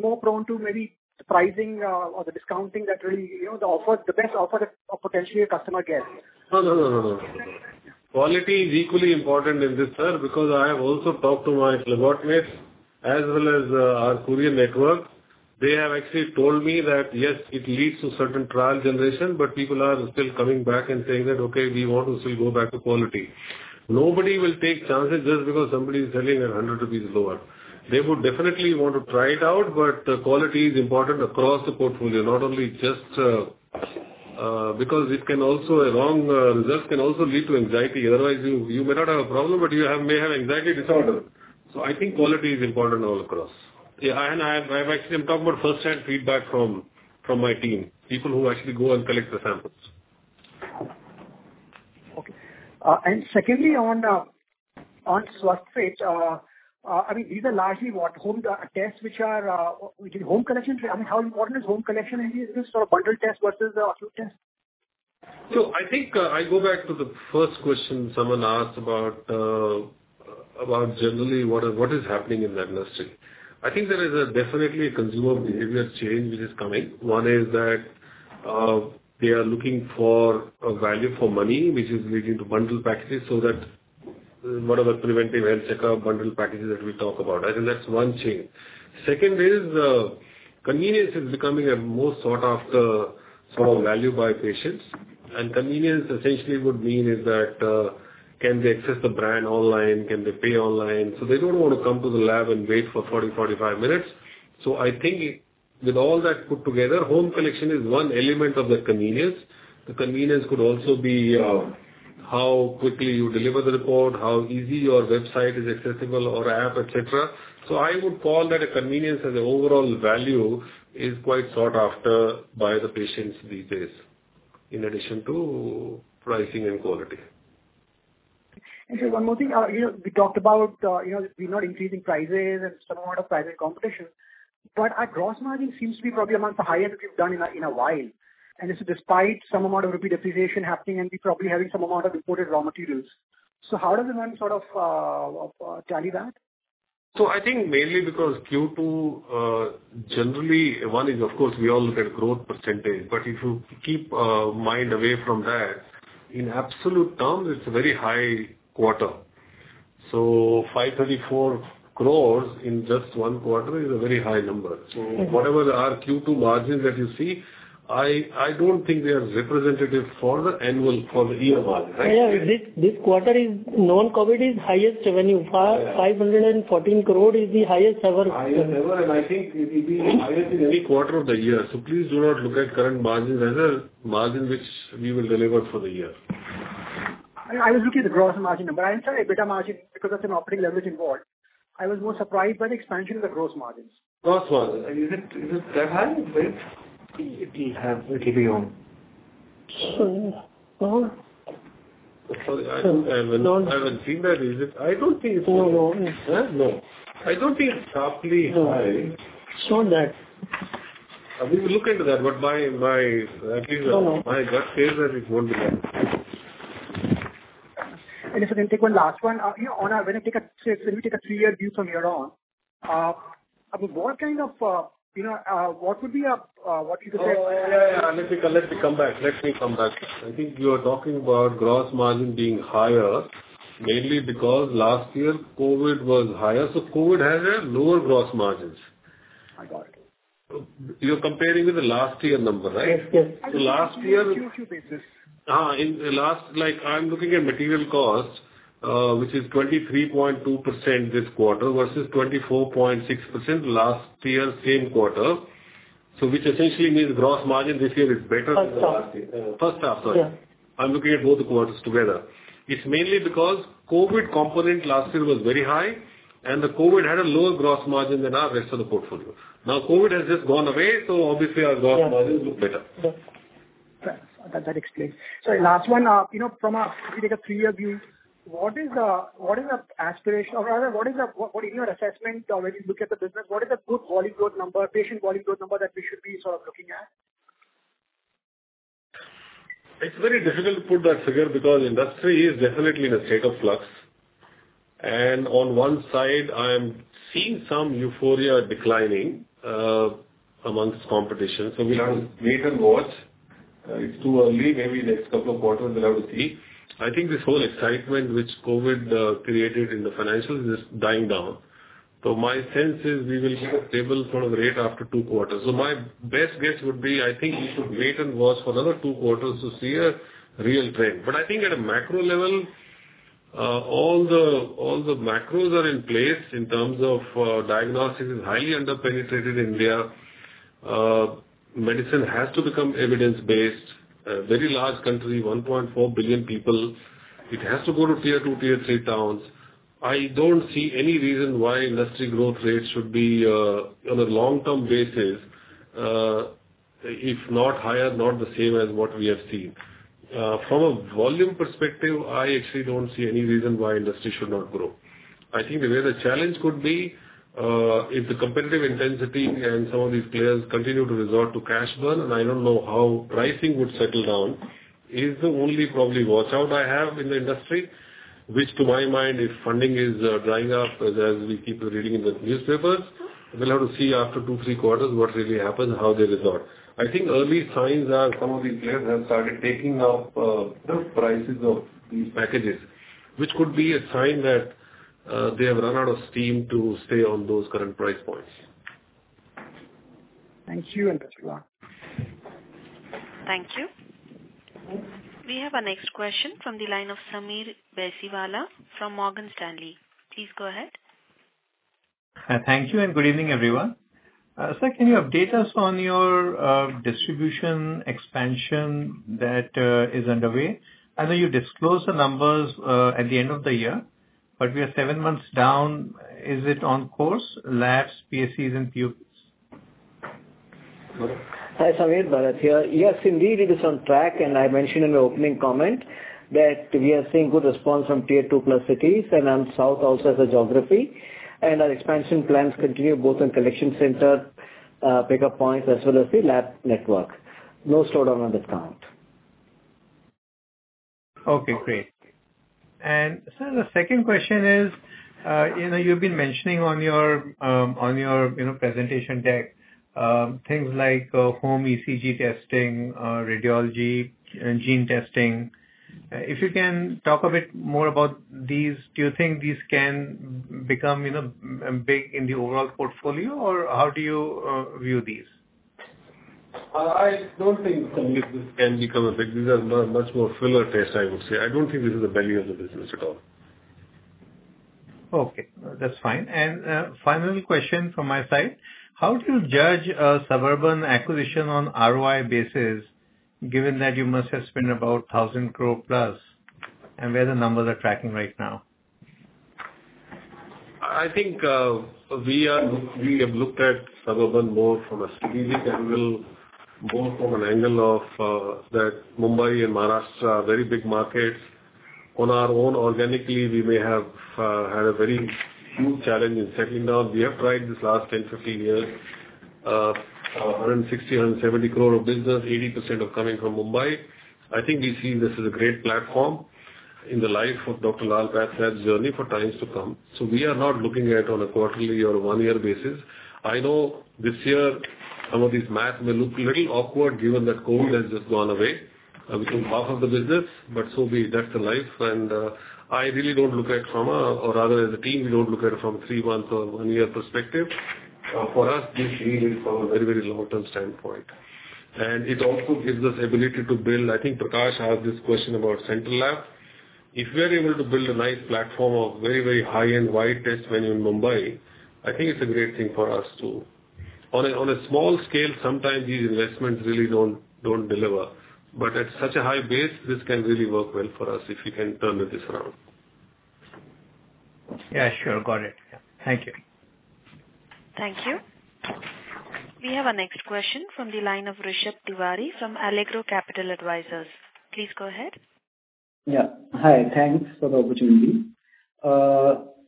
more prone to maybe pricing or the discounting that really the best offer that potentially a customer gets. No. Quality is equally important in this, sir, because I have also talked to my phlebotomists as well as our courier network. They have actually told me that, yes, it leads to certain trial generation, but people are still coming back and saying that, "Okay, we want to still go back to quality." Nobody will take chances just because somebody is selling a 100 rupees lower. They would definitely want to try it out, but quality is important across the portfolio. Not only just because a wrong result can also lead to anxiety. Otherwise, you may not have a problem, but you may have anxiety disorder. I think quality is important all across. Yeah. I'm actually talking about first-hand feedback from my team, people who actually go and collect the samples. Okay. Secondly, on Swasthfit, these are largely what home tests which we do home collection. I mean, how important is home collection in this sort of bundled test versus the acute test? I think I go back to the first question someone asked about generally what is happening in that industry. I think there is a definitely consumer behavior change which is coming. One is that they are looking for a value for money, which is leading to bundled packages. That one of the preventive health checkup bundled packages that we talk about, I think that's one change. Second is convenience is becoming a more sought-after sort of value by patients. Convenience essentially would mean is that can they access the brand online, can they pay online, so they don't want to come to the lab and wait for 40, 45 minutes. I think with all that put together, home collection is one element of that convenience. The convenience could also be how quickly you deliver the report, how easy your website is accessible or app, et cetera. I would call that a convenience as an overall value is quite sought after by the patients these days, in addition to pricing and quality. Just one more thing. We talked about we're not increasing prices and some amount of pricing competition, our gross margin seems to be probably amongst the highest we've done in a while, and it's despite some amount of rupee depreciation happening and we're probably having some amount of imported raw materials. How does one sort of tally that? I think mainly because Q2 generally, one is of course we all look at growth percentage, if you keep mind away from that, in absolute terms it's a very high quarter. 534 crores in just one quarter is a very high number. Whatever the Q2 margins that you see, I don't think they are representative for the annual, for the year margins. Yeah. This quarter is non-COVID's highest revenue. 514 crore is the highest ever. Highest ever. I think it will be the highest in any quarter of the year. Please do not look at current margins as a margin which we will deliver for the year. I was looking at the gross margin number. I'm sorry, EBITDA margin, because of some operating leverage involved. I was more surprised by the expansion of the gross margins. Gross margin. It will be on. Sorry. No. Sorry. I haven't seen that. Is it? I don't think it's- No. No. I don't think it's sharply high. It's not that. We will look into that, but at least my gut says that it won't be that. If I can take one last one. When we take a three-year view from here on What would be your? Oh, yeah. Let me come back. I think you are talking about gross margin being higher, mainly because last year COVID was higher. COVID has a lower gross margins. I got it. You're comparing with the last year number, right? Yes. The last year- Q2 basis. I'm looking at material cost, which is 23.2% this quarter versus 24.6% last year same quarter. Which essentially means gross margin this year is better than- First half. First half, sorry. Yeah. I'm looking at both quarters together. It's mainly because COVID component last year was very high, the COVID had a lower gross margin than our rest of the portfolio. Now, COVID has just gone away, obviously our gross margin look better. Yes. That explains. Last one. From a three-year view, what is your assessment or when you look at the business, what is the good patient volume growth number that we should be sort of looking at? It's very difficult to put that figure because industry is definitely in a state of flux. On one side, I am seeing some euphoria declining amongst competition. We'll have to wait and watch. It's too early. Maybe next couple of quarters we'll have to see. I think this whole excitement which COVID created in the financials is dying down. My sense is we will hit a stable sort of rate after two quarters. My best guess would be, I think we should wait and watch for another two quarters to see a real trend. I think at a macro level, all the macros are in place in terms of diagnostics is highly under-penetrated India. Medicine has to become evidence-based. A very large country, 1.4 billion people. It has to go to tier 2, tier 3 towns. I don't see any reason why industry growth rates should be on a long-term basis, if not higher, not the same as what we have seen. From a volume perspective, I actually don't see any reason why industry should not grow. I think where the challenge could be if the competitive intensity and some of these players continue to resort to cash burn, and I don't know how pricing would settle down is the only probably watch out I have in the industry. Which to my mind, if funding is drying up, as we keep reading in the newspapers, we'll have to see after two, three quarters what really happens, how they resort. I think early signs are some of these players have started taking off the prices of these packages, which could be a sign that they have run out of steam to stay on those current price points. Thank you, that's all. Thank you. We have our next question from the line of Sameer Baisiwala from Morgan Stanley. Please go ahead. Thank you. Good evening, everyone. Sir, can you update us on your distribution expansion that is underway? I know you disclose the numbers at the end of the year, but we are seven months down. Is it on course, labs, PACs, and PUCs? Hi, Sameer. Bharath here. Yes, indeed, it is on track. I mentioned in the opening comment that we are seeing good response from tier 2-plus cities and on South also as a geography. Our expansion plans continue both on collection center, pickup points, as well as the lab network. No slowdown on this count. Okay, great. Sir, the second question is, you've been mentioning on your presentation deck things like home ECG testing, radiology, and gene testing. If you can talk a bit more about these. Do you think these can become big in the overall portfolio, or how do you view these? I don't think some of these can become big. These are much more filler tests, I would say. I don't think this is the belly of the business at all. Okay, that's fine. Final question from my side. How would you judge a Suburban acquisition on ROI basis, given that you must have spent about 1,000 crore plus, and where the numbers are tracking right now? I think we have looked at Suburban more from a strategic angle, more from an angle of that Mumbai and Maharashtra are very big markets. On our own, organically, we may have had a very huge challenge in settling down. We have tried this last 10, 15 years. 160, 170 crore of business, 80% of coming from Mumbai. I think we see this as a great platform in the life of Dr. Lal PathLabs journey for times to come. We are not looking at on a quarterly or one-year basis. I know this year some of these math may look a little awkward given that COVID has just gone away. We took half of the business, so be it. That's the life. I really don't look at from a, or rather as a team, we don't look at it from 3 months or one-year perspective. For us, this really is from a very long-term standpoint. It also gives us ability to build. I think Prakash asked this question about central lab. If we are able to build a nice platform of very high-end wide test venue in Mumbai, I think it's a great thing for us, too. On a small scale, sometimes these investments really don't deliver. At such a high base, this can really work well for us if we can turn this around. Sure. Got it. Thank you. Thank you. We have our next question from the line of Rishabh Tiwari from Allegro Capital Advisors. Please go ahead. Hi. Thanks for the opportunity.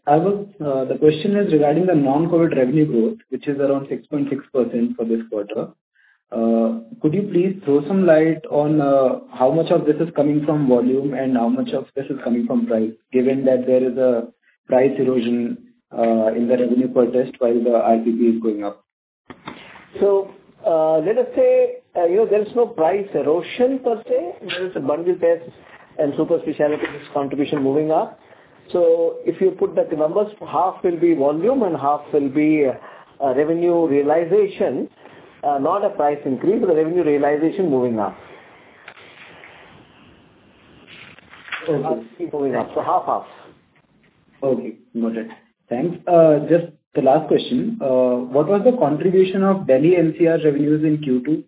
The question is regarding the non-COVID revenue growth, which is around 6.6% for this quarter. Could you please throw some light on how much of this is coming from volume and how much of this is coming from price, given that there is a price erosion in the revenue per test while the RPP is going up? Let us say there is no price erosion per se, there is a bundle test and super specialty contribution moving up. If you put the numbers, half will be volume and half will be revenue realization. Not a price increase, but a revenue realization moving up. Okay. Thank you. Keep moving up. Half-half. Okay, noted. Thanks. Just the last question. What was the contribution of Delhi NCR revenues in Q2?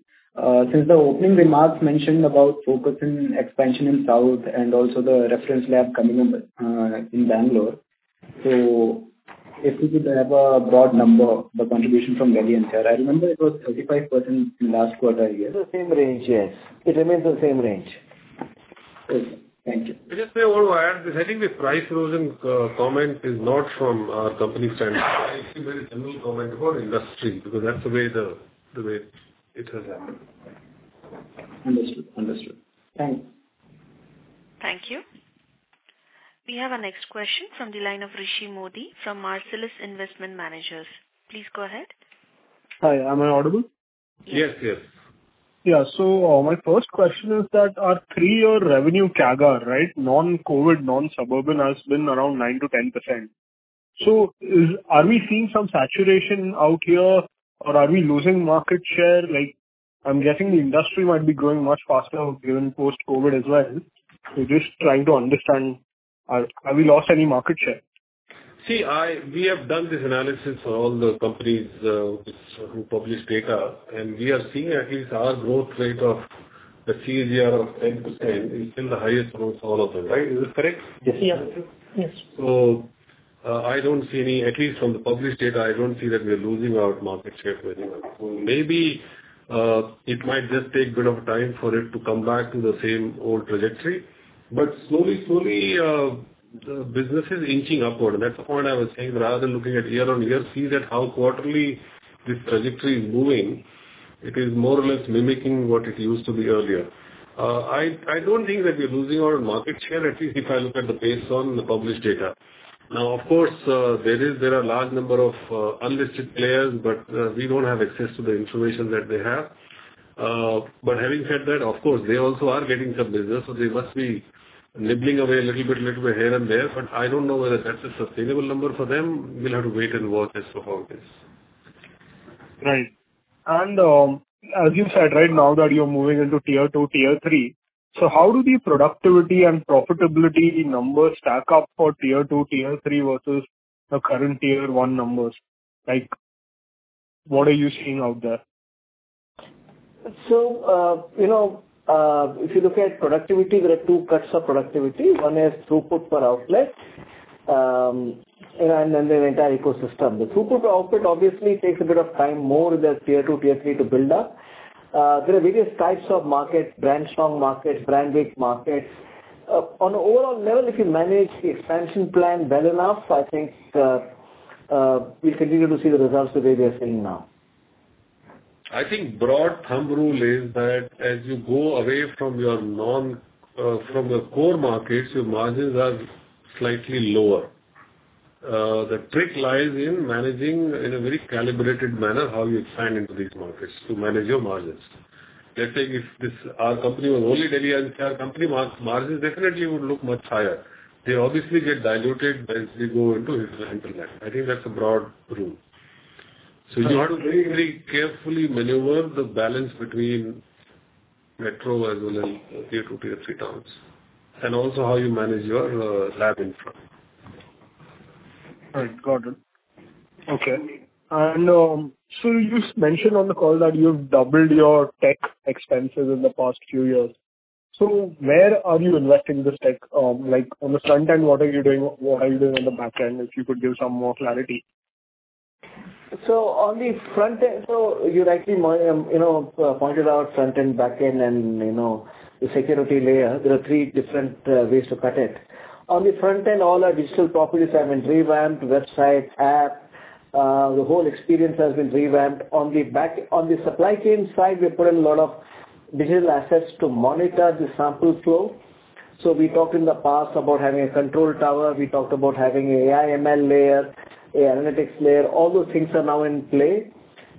Since the opening remarks mentioned about focus and expansion in South and also the reference lab coming up in Bangalore. If you could have a broad number, the contribution from Delhi NCR. I remember it was 35% in last quarter year. It's the same range, yes. It remains the same range. Good. Thank you. I just want to add this. I think the price erosion comment is not from our company standpoint. It's a very general comment for industry because that's the way it has happened. Understood. Thanks. Thank you. We have our next question from the line of Rishi Modi from Marcellus Investment Managers. Please go ahead. Hi, am I audible? Yes. Yeah. My first question is that our three-year revenue CAGR, non-COVID, non-Suburban, has been around 9%-10%. Are we seeing some saturation out here or are we losing market share? I'm guessing the industry might be growing much faster given post-COVID as well. Just trying to understand, have we lost any market share? See, we have done this analysis for all the companies who publish data, and we are seeing at least our growth rate of the CAGR of 10% is still the highest growth all of them. Is this correct? Yes. At least from the published data, I don't see that we're losing our market share very well. Maybe it might just take a bit of time for it to come back to the same old trajectory. Slowly the business is inching upward. That's the point I was saying, rather than looking at year-on-year, see that how quarterly this trajectory is moving. It is more or less mimicking what it used to be earlier. I don't think that we're losing our market share, at least if I look at the base on the published data. Now, of course, there are large number of unlisted players, but we don't have access to the information that they have. Having said that, of course, they also are getting some business, so they must be nibbling away a little bit here and there. I don't know whether that's a sustainable number for them. We'll have to wait and watch as to how it is. Right. As you said, right now that you're moving into tier 2, tier 3, so how do the productivity and profitability numbers stack up for tier 2, tier 3 versus the current tier 1 numbers? What are you seeing out there? If you look at productivity, there are two cuts of productivity. One is throughput per outlet and then the entire ecosystem. The throughput outlet obviously takes a bit of time, more the tier 2, tier 3 to build up. There are various types of markets, brand strong markets, brand weak markets. On an overall level, if you manage the expansion plan well enough, I think we'll continue to see the results the way we are seeing now. I think broad thumb rule is that as you go away from the core markets, your margins are slightly lower. The trick lies in managing in a very calibrated manner how you expand into these markets to manage your margins. Let's say if our company was only Delhi NCR company, margins definitely would look much higher. They obviously get diluted as we go into hinterland. I think that's a broad rule. You have to very carefully maneuver the balance between metro as well as tier 2, tier 3 towns, and also how you manage your lab infra. Right. Got it. Okay. So you mentioned on the call that you've doubled your tech expenses in the past few years. Where are you investing this tech? On the front end, what are you doing? What are you doing on the back end? If you could give some more clarity. You rightly pointed out front end, back end, and the security layer. There are three different ways to cut it. On the front end, all our digital properties have been revamped, website, app. The whole experience has been revamped. On the supply chain side, we put in a lot of digital assets to monitor the sample flow. We talked in the past about having a control tower. We talked about having AI, ML layer, analytics layer. All those things are now in play.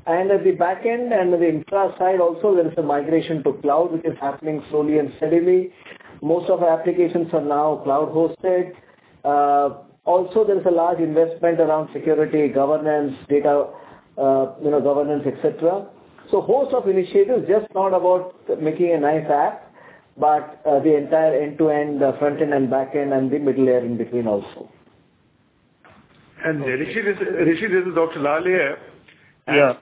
At the back end and the infra side also, there is a migration to cloud, which is happening slowly and steadily. Most of our applications are now cloud hosted. Also there is a large investment around security, governance, data governance, et cetera. Host of initiatives, just not about making a nice app, but the entire end-to-end front end and back end and the middle layer in between also. Rishi, this is Dr. Lal here. Yeah.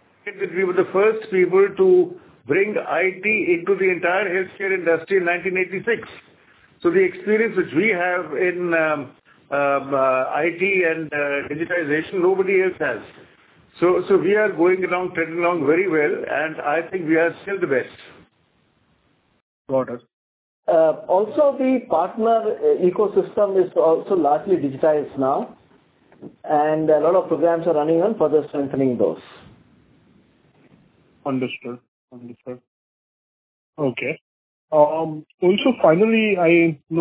We were the first people to bring IT into the entire healthcare industry in 1986. The experience which we have in IT and digitization, nobody else has. We are going along, treading along very well, and I think we are still the best About us. The partner ecosystem is also largely digitized now, and a lot of programs are running on further strengthening those. Understood. Okay. Finally, I think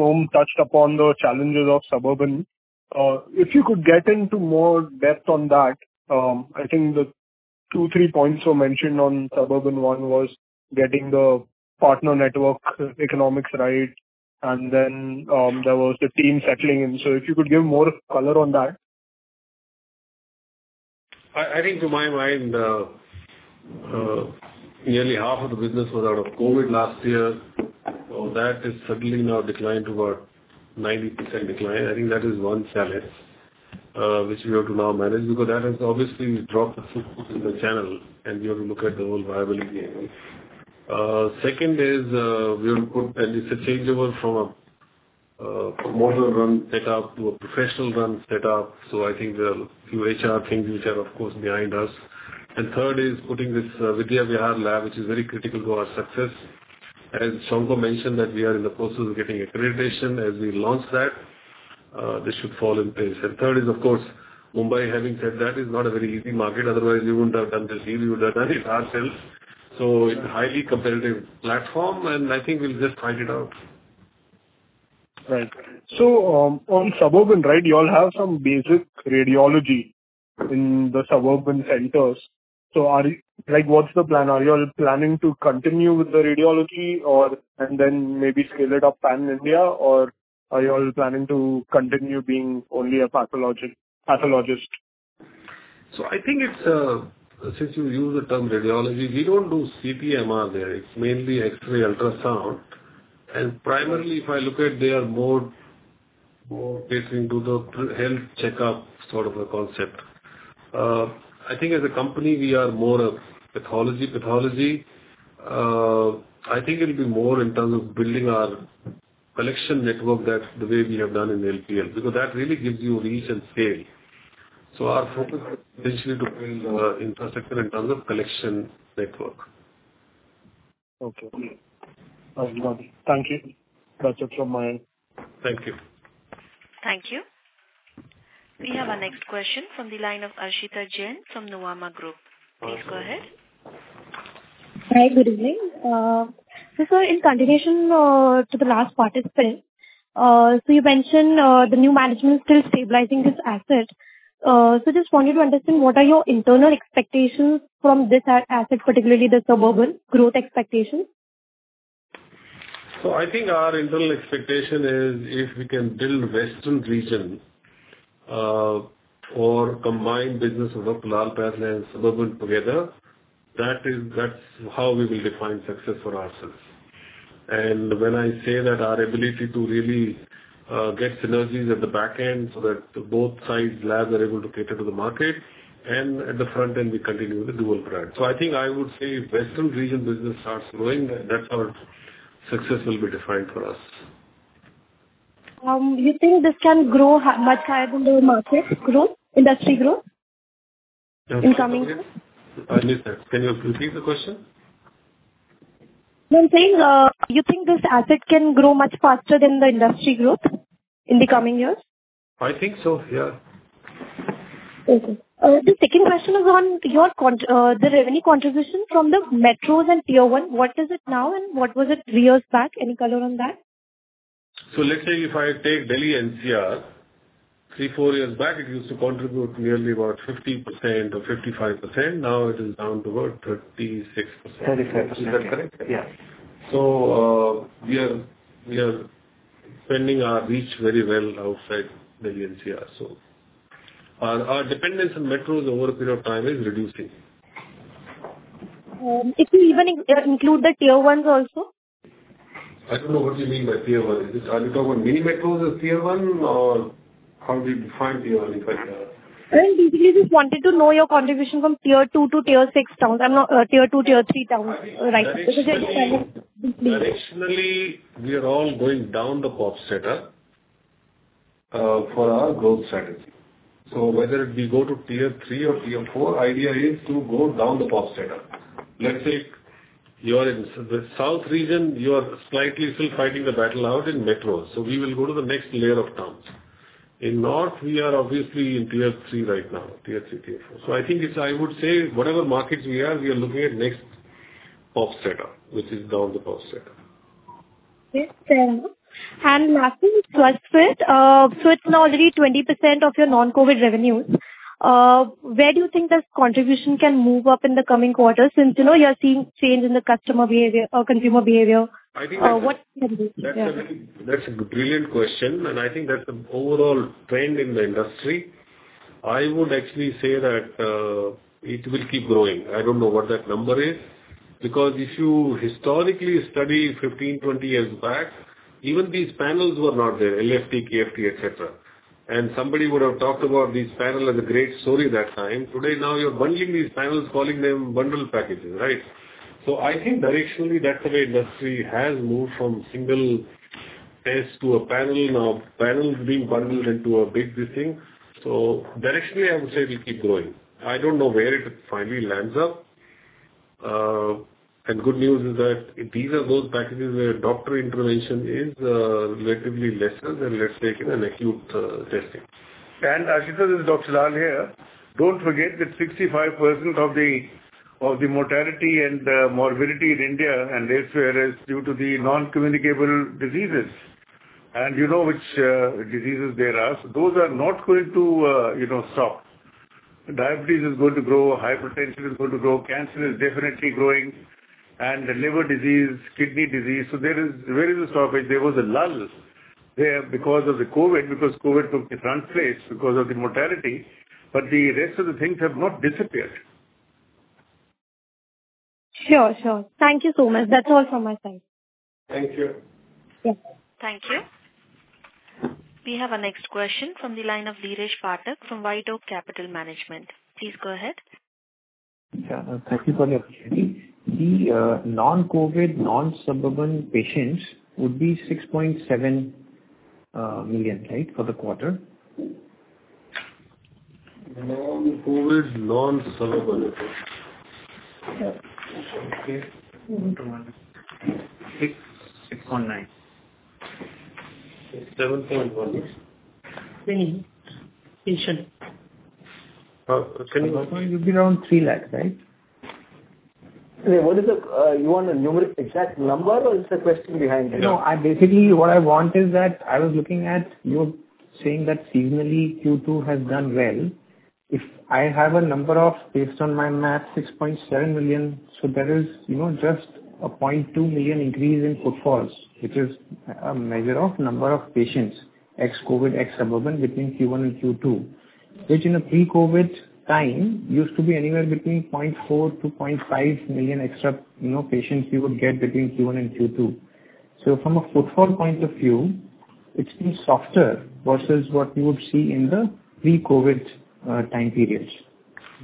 Om touched upon the challenges of Suburban. If you could get into more depth on that. I think two, three points were mentioned on Suburban. One was getting the partner network economics right, and then there was the team settling in. If you could give more color on that. I think to my mind, nearly half of the business was out of COVID last year. That is suddenly now declined to about 90% decline. I think that is one challenge which we have to now manage, because that has obviously dropped the foot in the channel and we have to look at the whole viability again. Second is, we have to put an interchangeable from a promoter-run setup to a professional-run setup, so I think there are a few HR things which are of course behind us. Third is putting this Vidyavihar lab, which is very critical to our success. As Shankha mentioned, that we are in the process of getting accreditation as we launch that. This should fall in place. Third is, of course, Mumbai, having said that, is not a very easy market. Otherwise, we wouldn't have done this deal. We would have done it ourselves. It's a highly competitive platform, and I think we'll just ride it out. Right. On Suburban, you all have some basic radiology in the Suburban centers. What's the plan? Are you all planning to continue with the radiology, and then maybe scale it up pan-India, or are you all planning to continue being only a pathologist? I think since you use the term radiology, we don't do CT/MRI there. It's mainly X-ray, ultrasound. Primarily if I look at, they are more facing to the health checkup sort of a concept. I think as a company, we are more of pathology. I think it'll be more in terms of building our collection network the way we have done in LPL, because that really gives you reach and scale. Our focus is basically to build infrastructure in terms of collection network. Okay. Thank you. That's it from my end. Thank you. Thank you. We have our next question from the line of Ashita Jain from Nomura Group. Please go ahead. Hi. Good evening. Sir, in continuation to the last participant, you mentioned the new management is still stabilizing this asset. Just want you to understand what are your internal expectations from this asset, particularly the Suburban growth expectation? I think our internal expectation is if we can build Western region, or combine business of Dr. Lal PathLabs and Suburban together, that's how we will define success for ourselves. When I say that our ability to really get synergies at the back end so that both sides labs are able to cater to the market, and at the front end, we continue with the dual brand. I think I would say if Western region business starts growing, that's how success will be defined for us. Do you think this can grow much higher than the market growth, industry growth in coming years? I'm sorry. Can you repeat the question? I'm saying, you think this asset can grow much faster than the industry growth in the coming years? I think so, yeah. The second question is on revenue contribution from the metros and tier 1. What is it now and what was it three years back? Any color on that? Let's say if I take Delhi NCR, three, four years back, it used to contribute nearly about 50% or 55%. Now it is down to about 36%. 35%. Is that correct? Yeah. We are spending our reach very well outside Delhi NCR. Our dependence on metros over a period of time is reducing. If you even include the tier 1s also? I don't know what you mean by tier 1. Are you talking about mini metros as tier 1, or how do you define tier 1 if I can ask? Basically, just wanted to know your contribution from tier 2 to tier 6 towns. Tier 2, tier 3 towns. Directionally, we are all going down the pops setup for our growth strategy. Whether we go to tier 3 or tier 4, idea is to go down the pops setup. Let's say you are in the south region, you are slightly still fighting the battle out in metros. We will go to the next layer of towns. In north, we are obviously in tier 3 right now. Tier 3, tier 4. I think I would say whatever markets we are, we are looking at next pops setup, which is down the pops setup. Yes, fair enough. Swasthfit. It's now already 20% of your non-COVID revenues. Where do you think this contribution can move up in the coming quarters since you are seeing change in the consumer behavior? I think- Yeah. That's a brilliant question, and I think that's the overall trend in the industry. I would actually say that it will keep growing. I don't know what that number is, because if you historically study 15, 20 years back, even these panels were not there, LFT, KFT, et cetera. Somebody would have talked about these panel as a great story that time. Today, now you're bundling these panels, calling them bundle packages, right? I think directionally, that's the way industry has moved from single As to a panel, now panels being bundled into a big this thing. Directionally, I would say we'll keep growing. I don't know where it finally lands up. Good news is that these are those packages where doctor intervention is relatively lesser than, let's say, in an acute testing. Ashita, this is Dr. Lal here. Don't forget that 65% of the mortality and morbidity in India and elsewhere is due to the non-communicable diseases. You know which diseases they are. Those are not going to stop. Diabetes is going to grow, hypertension is going to grow, cancer is definitely growing, and liver disease, kidney disease. Where is the stoppage? There was a lull there because of the COVID, because COVID took the front place because of the mortality. The rest of the things have not disappeared. Sure. Thank you so much. That's all from my side. Thank you. Yes. Thank you. We have our next question from the line of Dheeresh Pathak from White Oak Capital Management. Please go ahead. Yeah. Thank you for the opportunity. The non-COVID, non-Suburban patients would be 6.7 million, right? For the quarter. Non-COVID, non-Suburban patients. Yeah. Okay. 6.9. 7.1. Seven patients. Can you- It would be around 3 lakh, right? What is it you want a numeric exact number or is there a question behind it? No, basically what I want is that I was looking at you saying that seasonally Q2 has done well. If I have a number of, based on my math, 6.7 million, that is just a 0.2 million increase in footfalls. Which is a measure of number of patients, ex-COVID, ex-Suburban between Q1 and Q2. Which in a pre-COVID time used to be anywhere between 0.4 million to 0.5 million extra patients you would get between Q1 and Q2. From a footfall point of view, it's been softer versus what you would see in the pre-COVID time periods.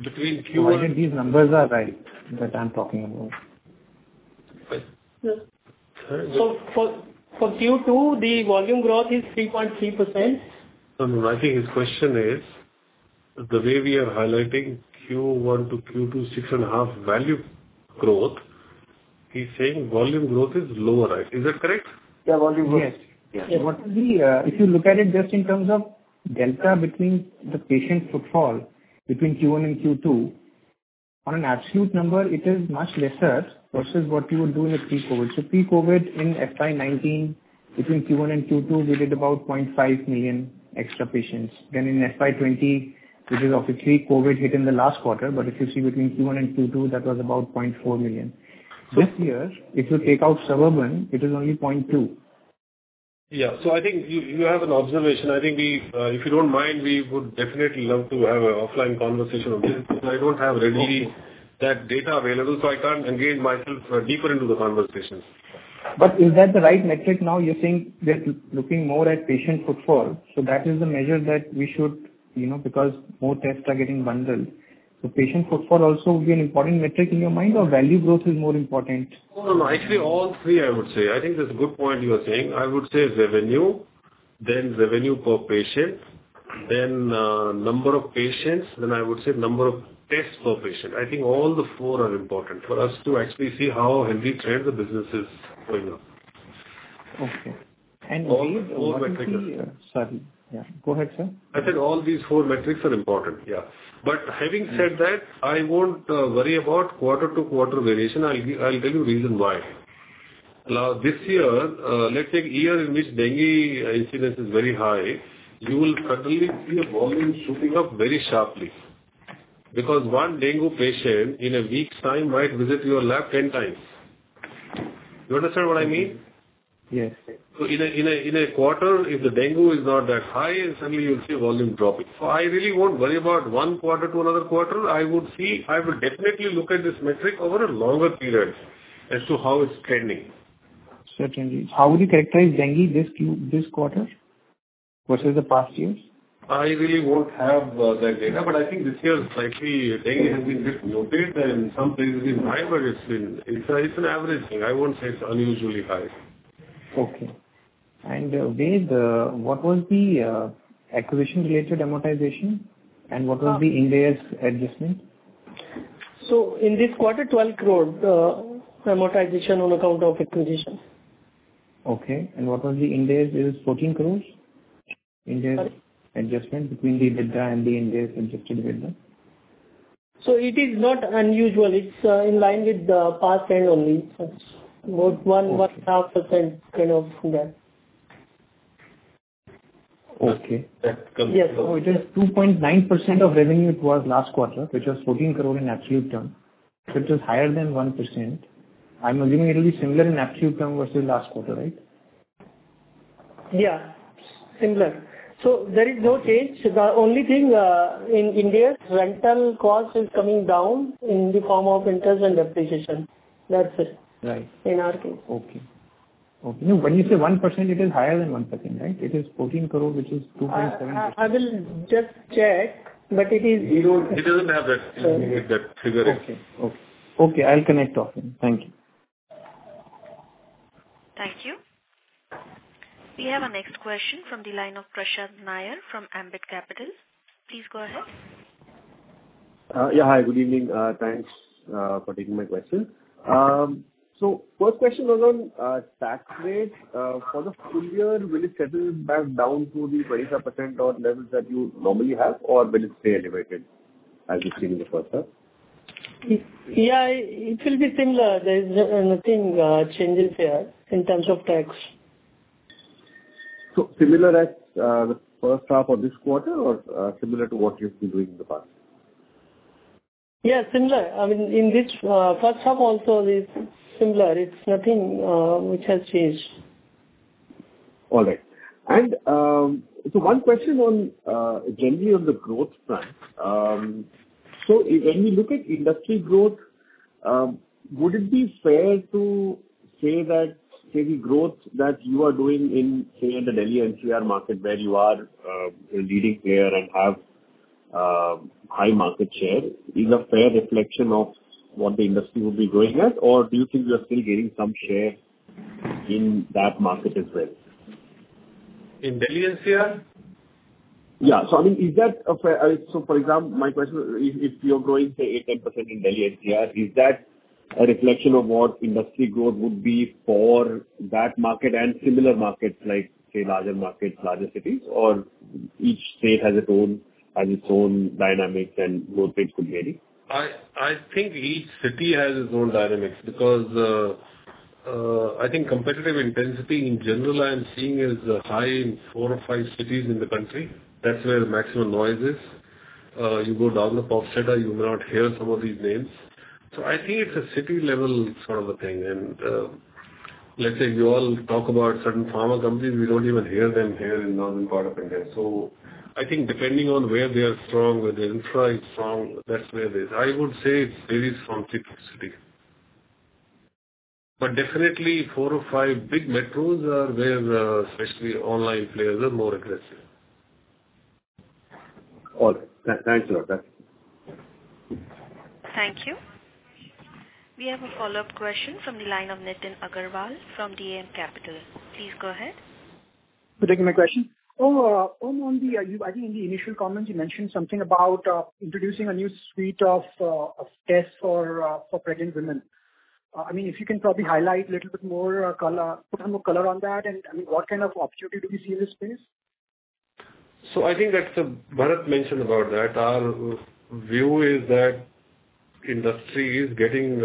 Between Q1- Provided these numbers are right, that I'm talking about. Right. Yeah. For Q2, the volume growth is 3.3%. No. I think his question is, the way we are highlighting Q1 to Q2, six and a half value growth. He is saying volume growth is lower, right. Is that correct? Yeah. Volume growth. Yes. If you look at it just in terms of delta between the patient footfall between Q1 and Q2. On an absolute number, it is much lesser versus what you would do in a pre-COVID. Pre-COVID in FY 2019, between Q1 and Q2, we did about 0.5 million extra patients. In FY 2020, which is obviously COVID hit in the last quarter. If you see between Q1 and Q2, that was about 0.4 million. This year, if you take out Suburban, it is only 0.2. Yeah. I think you have an observation. If you don't mind, we would definitely love to have an offline conversation on this because I don't have readily that data available, so I can't engage myself deeper into the conversation. Is that the right metric now looking more at patient footfall. That is the measure that we should because more tests are getting bundled. Patient footfall also will be an important metric in your mind or value growth is more important? No, actually, all three I would say. I think that's a good point you are saying. I would say revenue, then revenue per patient, then number of patients, then I would say number of tests per patient. I think all the four are important for us to actually see how healthy trend the business is going up. Okay. Ved- All four metrics- Sorry. Yeah, go ahead, sir. I said all these four metrics are important. Yeah. Having said that, I won't worry about quarter-to-quarter variation. I'll give you reason why. Now, this year, let's take year in which dengue incidence is very high. You will suddenly see a volume shooting up very sharply. Because one dengue patient in a week's time might visit your lab 10 times. You understand what I mean? Yes. In a quarter, if the dengue is not that high, suddenly you'll see volume dropping. I really won't worry about one quarter to another quarter. I will definitely look at this metric over a longer period as to how it's trending. Sure. Trending. How would you characterize dengue this quarter versus the past years? I really won't have that data, but I think this year slightly dengue has been bit noted and some places it's high, but it's an average thing. I won't say it's unusually high. Okay. Ved, what was the acquisition-related amortization, and what was the Ind AS adjustment? In this quarter, 12 crore amortization on account of acquisitions. Okay. What was the Ind AS? It was 14 crores? Sorry. Adjustment between the EBITDA and the Ind AS-adjusted EBITDA. It is not unusual. It's in line with the past trend only. It's about one, 1.5% kind of that. Okay. That comes to. Yes. It is 2.9% of revenue it was last quarter, which was 14 crore in absolute term, which is higher than 1%. I'm assuming it'll be similar in absolute term versus last quarter, right? Yeah, similar. There is no change. The only thing, in Ind AS, rental cost is coming down in the form of interest and depreciation. That's it. Right. In our case. Okay. No, when you say 1%, it is higher than 1%, right? It is 14 crore, which is 2.7%. I will just check. He doesn't have that figure. Okay. I'll connect off then. Thank you. We have our next question from the line of Prashant Nair from Ambit Capital. Please go ahead. Yeah. Hi. Good evening. Thanks for taking my question. First question was on tax rate. For the full year, will it settle back down to the 20-some% or levels that you normally have, or will it stay elevated as we've seen in the first half? Yeah, it will be similar. There's nothing changes there in terms of tax. Similar as the first half of this quarter or similar to what you've been doing in the past? Yeah, similar. In this first half also it is similar. It's nothing which has changed. All right. One question on, generally, on the growth plan. When we look at industry growth, would it be fair to say that, say, the growth that you are doing in, say, the Delhi NCR market where you are leading there and have high market share is a fair reflection of what the industry will be growing at? Or do you think you are still gaining some share in that market as well? In Delhi NCR? Yeah. For example, my question, if you're growing, say, eight%, 10% in Delhi NCR, is that a reflection of what industry growth would be for that market and similar markets like, say, larger markets, larger cities? Each state has its own dynamics and growth rates could vary? I think each city has its own dynamics because I think competitive intensity in general I am seeing is high in four or five cities in the country. That's where the maximum noise is. You go down the pop setup, you will not hear some of these names. I think it's a city-level sort of a thing. Let's say you all talk about certain pharma companies, we don't even hear them here in northern part of India. I think depending on where they are strong, where their infra is strong, that's where it is. I would say it varies from city to city. Definitely four or five big metros are where especially online players are more aggressive. All right. Thanks a lot. That's it. Thank you. We have a follow-up question from the line of Nitin Agarwal from DAM Capital. Please go ahead. Thank you for taking my question. Om, I think in the initial comments you mentioned something about introducing a new suite of tests for pregnant women. If you can probably highlight a little bit more, put some more color on that, and what kind of opportunity do you see in this space? I think that Bharat mentioned about that. Our view is that industry is getting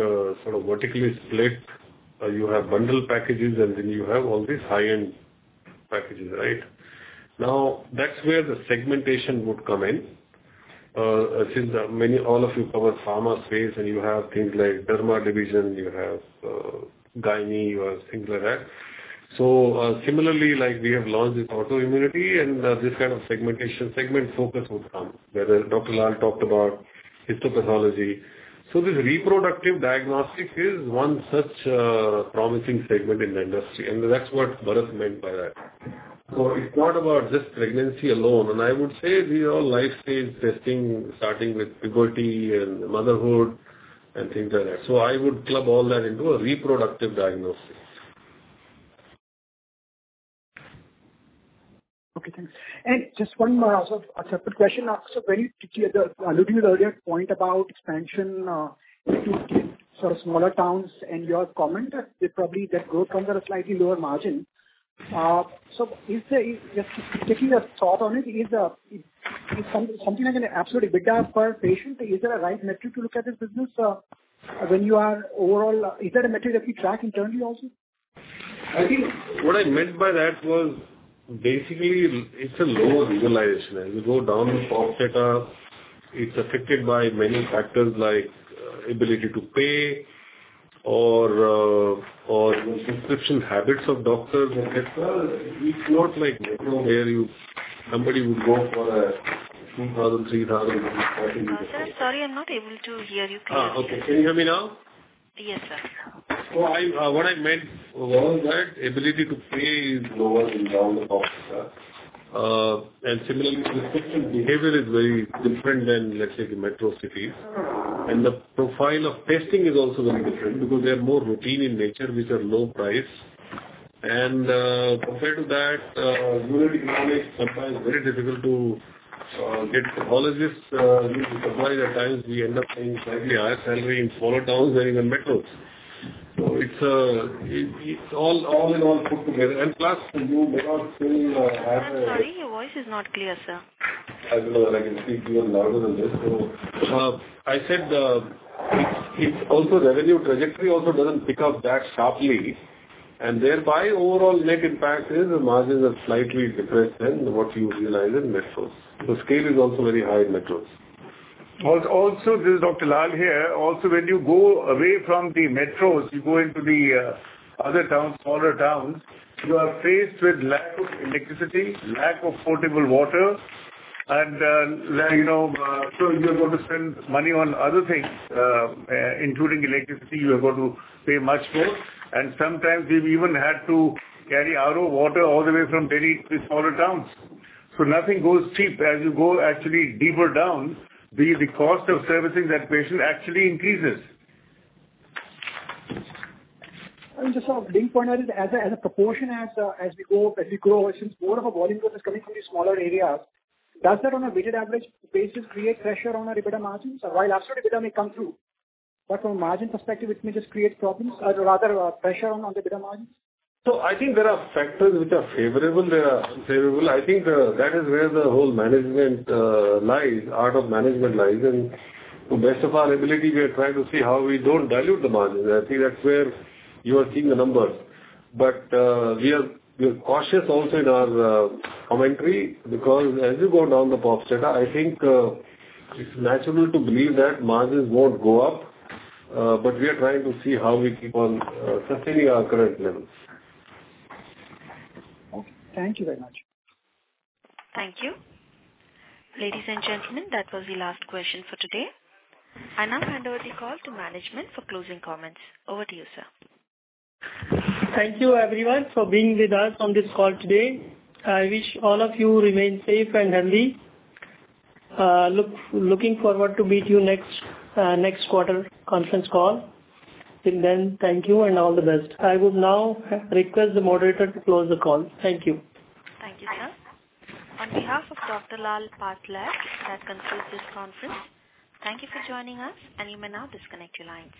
sort of vertically split. You have bundle packages, and then you have all these high-end packages, right? Now, that's where the segmentation would come in. Since all of you cover pharma space and you have things like derma division, you have gynae, you have things like that. Similarly, like we have launched this autoimmunity and this kind of segment focus will come. Whether Dr. Lal talked about histopathology. This reproductive diagnostic is one such promising segment in the industry, and that's what Bharat meant by that. It's not about just pregnancy alone. I would say the whole life stage testing, starting with puberty and motherhood and things like that. I would club all that into a reproductive diagnostic. Okay, thanks. Just one more also, a separate question. Very tricky, the earlier point about expansion into sort of smaller towns and your comment that probably that growth comes at a slightly lower margin. Just getting a thought on it, is something like an absolute EBITDA per patient, is there a right metric to look at this business? Is that a metric that we track internally also? I think what I meant by that was basically it's a lower realization as you go down the pop setup. It's affected by many factors like ability to pay or prescription habits of doctors and et al. It's not like metro where somebody would go for a 2,000, 3,000, INR 40. Sir, sorry, I'm not able to hear you clearly. Okay. Can you hear me now? Yes, sir. What I meant was that ability to pay is lower in down the pop setup. Similarly, prescription behavior is very different than, let's say, the metro cities. The profile of testing is also very different because they are more routine in nature, which are low price. Compared to that, rural economics sometimes very difficult to get pathologists. We need to provide, at times, we end up paying slightly higher salary in smaller towns than even metros. It's all in all put together. Plus, you may not still have. I'm sorry, your voice is not clear, sir. I don't know that I can speak even louder than this. I said, revenue trajectory also doesn't pick up that sharply, and thereby overall net impact is the margins are slightly depressed than what you realize in metros. The scale is also very high in metros. Also, this is Dr. Lal here. Also, when you go away from the metros, you go into the other towns, smaller towns, you are faced with lack of electricity, lack of potable water. You're going to spend money on other things, including electricity. You are going to pay much more. Sometimes we've even had to carry RO water all the way from Delhi to smaller towns. Nothing goes cheap. As you go actually deeper down, the cost of servicing that patient actually increases. Just being pointed as a proportion as we grow, since more of our volume growth is coming from the smaller areas, does that on a weighted average basis create pressure on our EBITDA margins? While absolute EBITDA may come through, from a margin perspective, it may just create problems or rather pressure on the EBITDA margin? I think there are factors which are favorable. I think that is where the whole management lies, art of management lies. To best of our ability, we are trying to see how we don't dilute the margins. I think that's where you are seeing the numbers. We are cautious also in our commentary because as you go down the pop setup, I think it's natural to believe that margins won't go up. We are trying to see how we keep on sustaining our current levels. Okay. Thank you very much. Thank you. Ladies and gentlemen, that was the last question for today. I now hand over the call to management for closing comments. Over to you, sir. Thank you everyone for being with us on this call today. I wish all of you remain safe and healthy. Looking forward to meet you next quarter conference call. Till then, thank you and all the best. I would now request the moderator to close the call. Thank you. Thank you, sir. On behalf of Dr. Lal PathLabs, that concludes this conference. Thank you for joining us, and you may now disconnect your lines.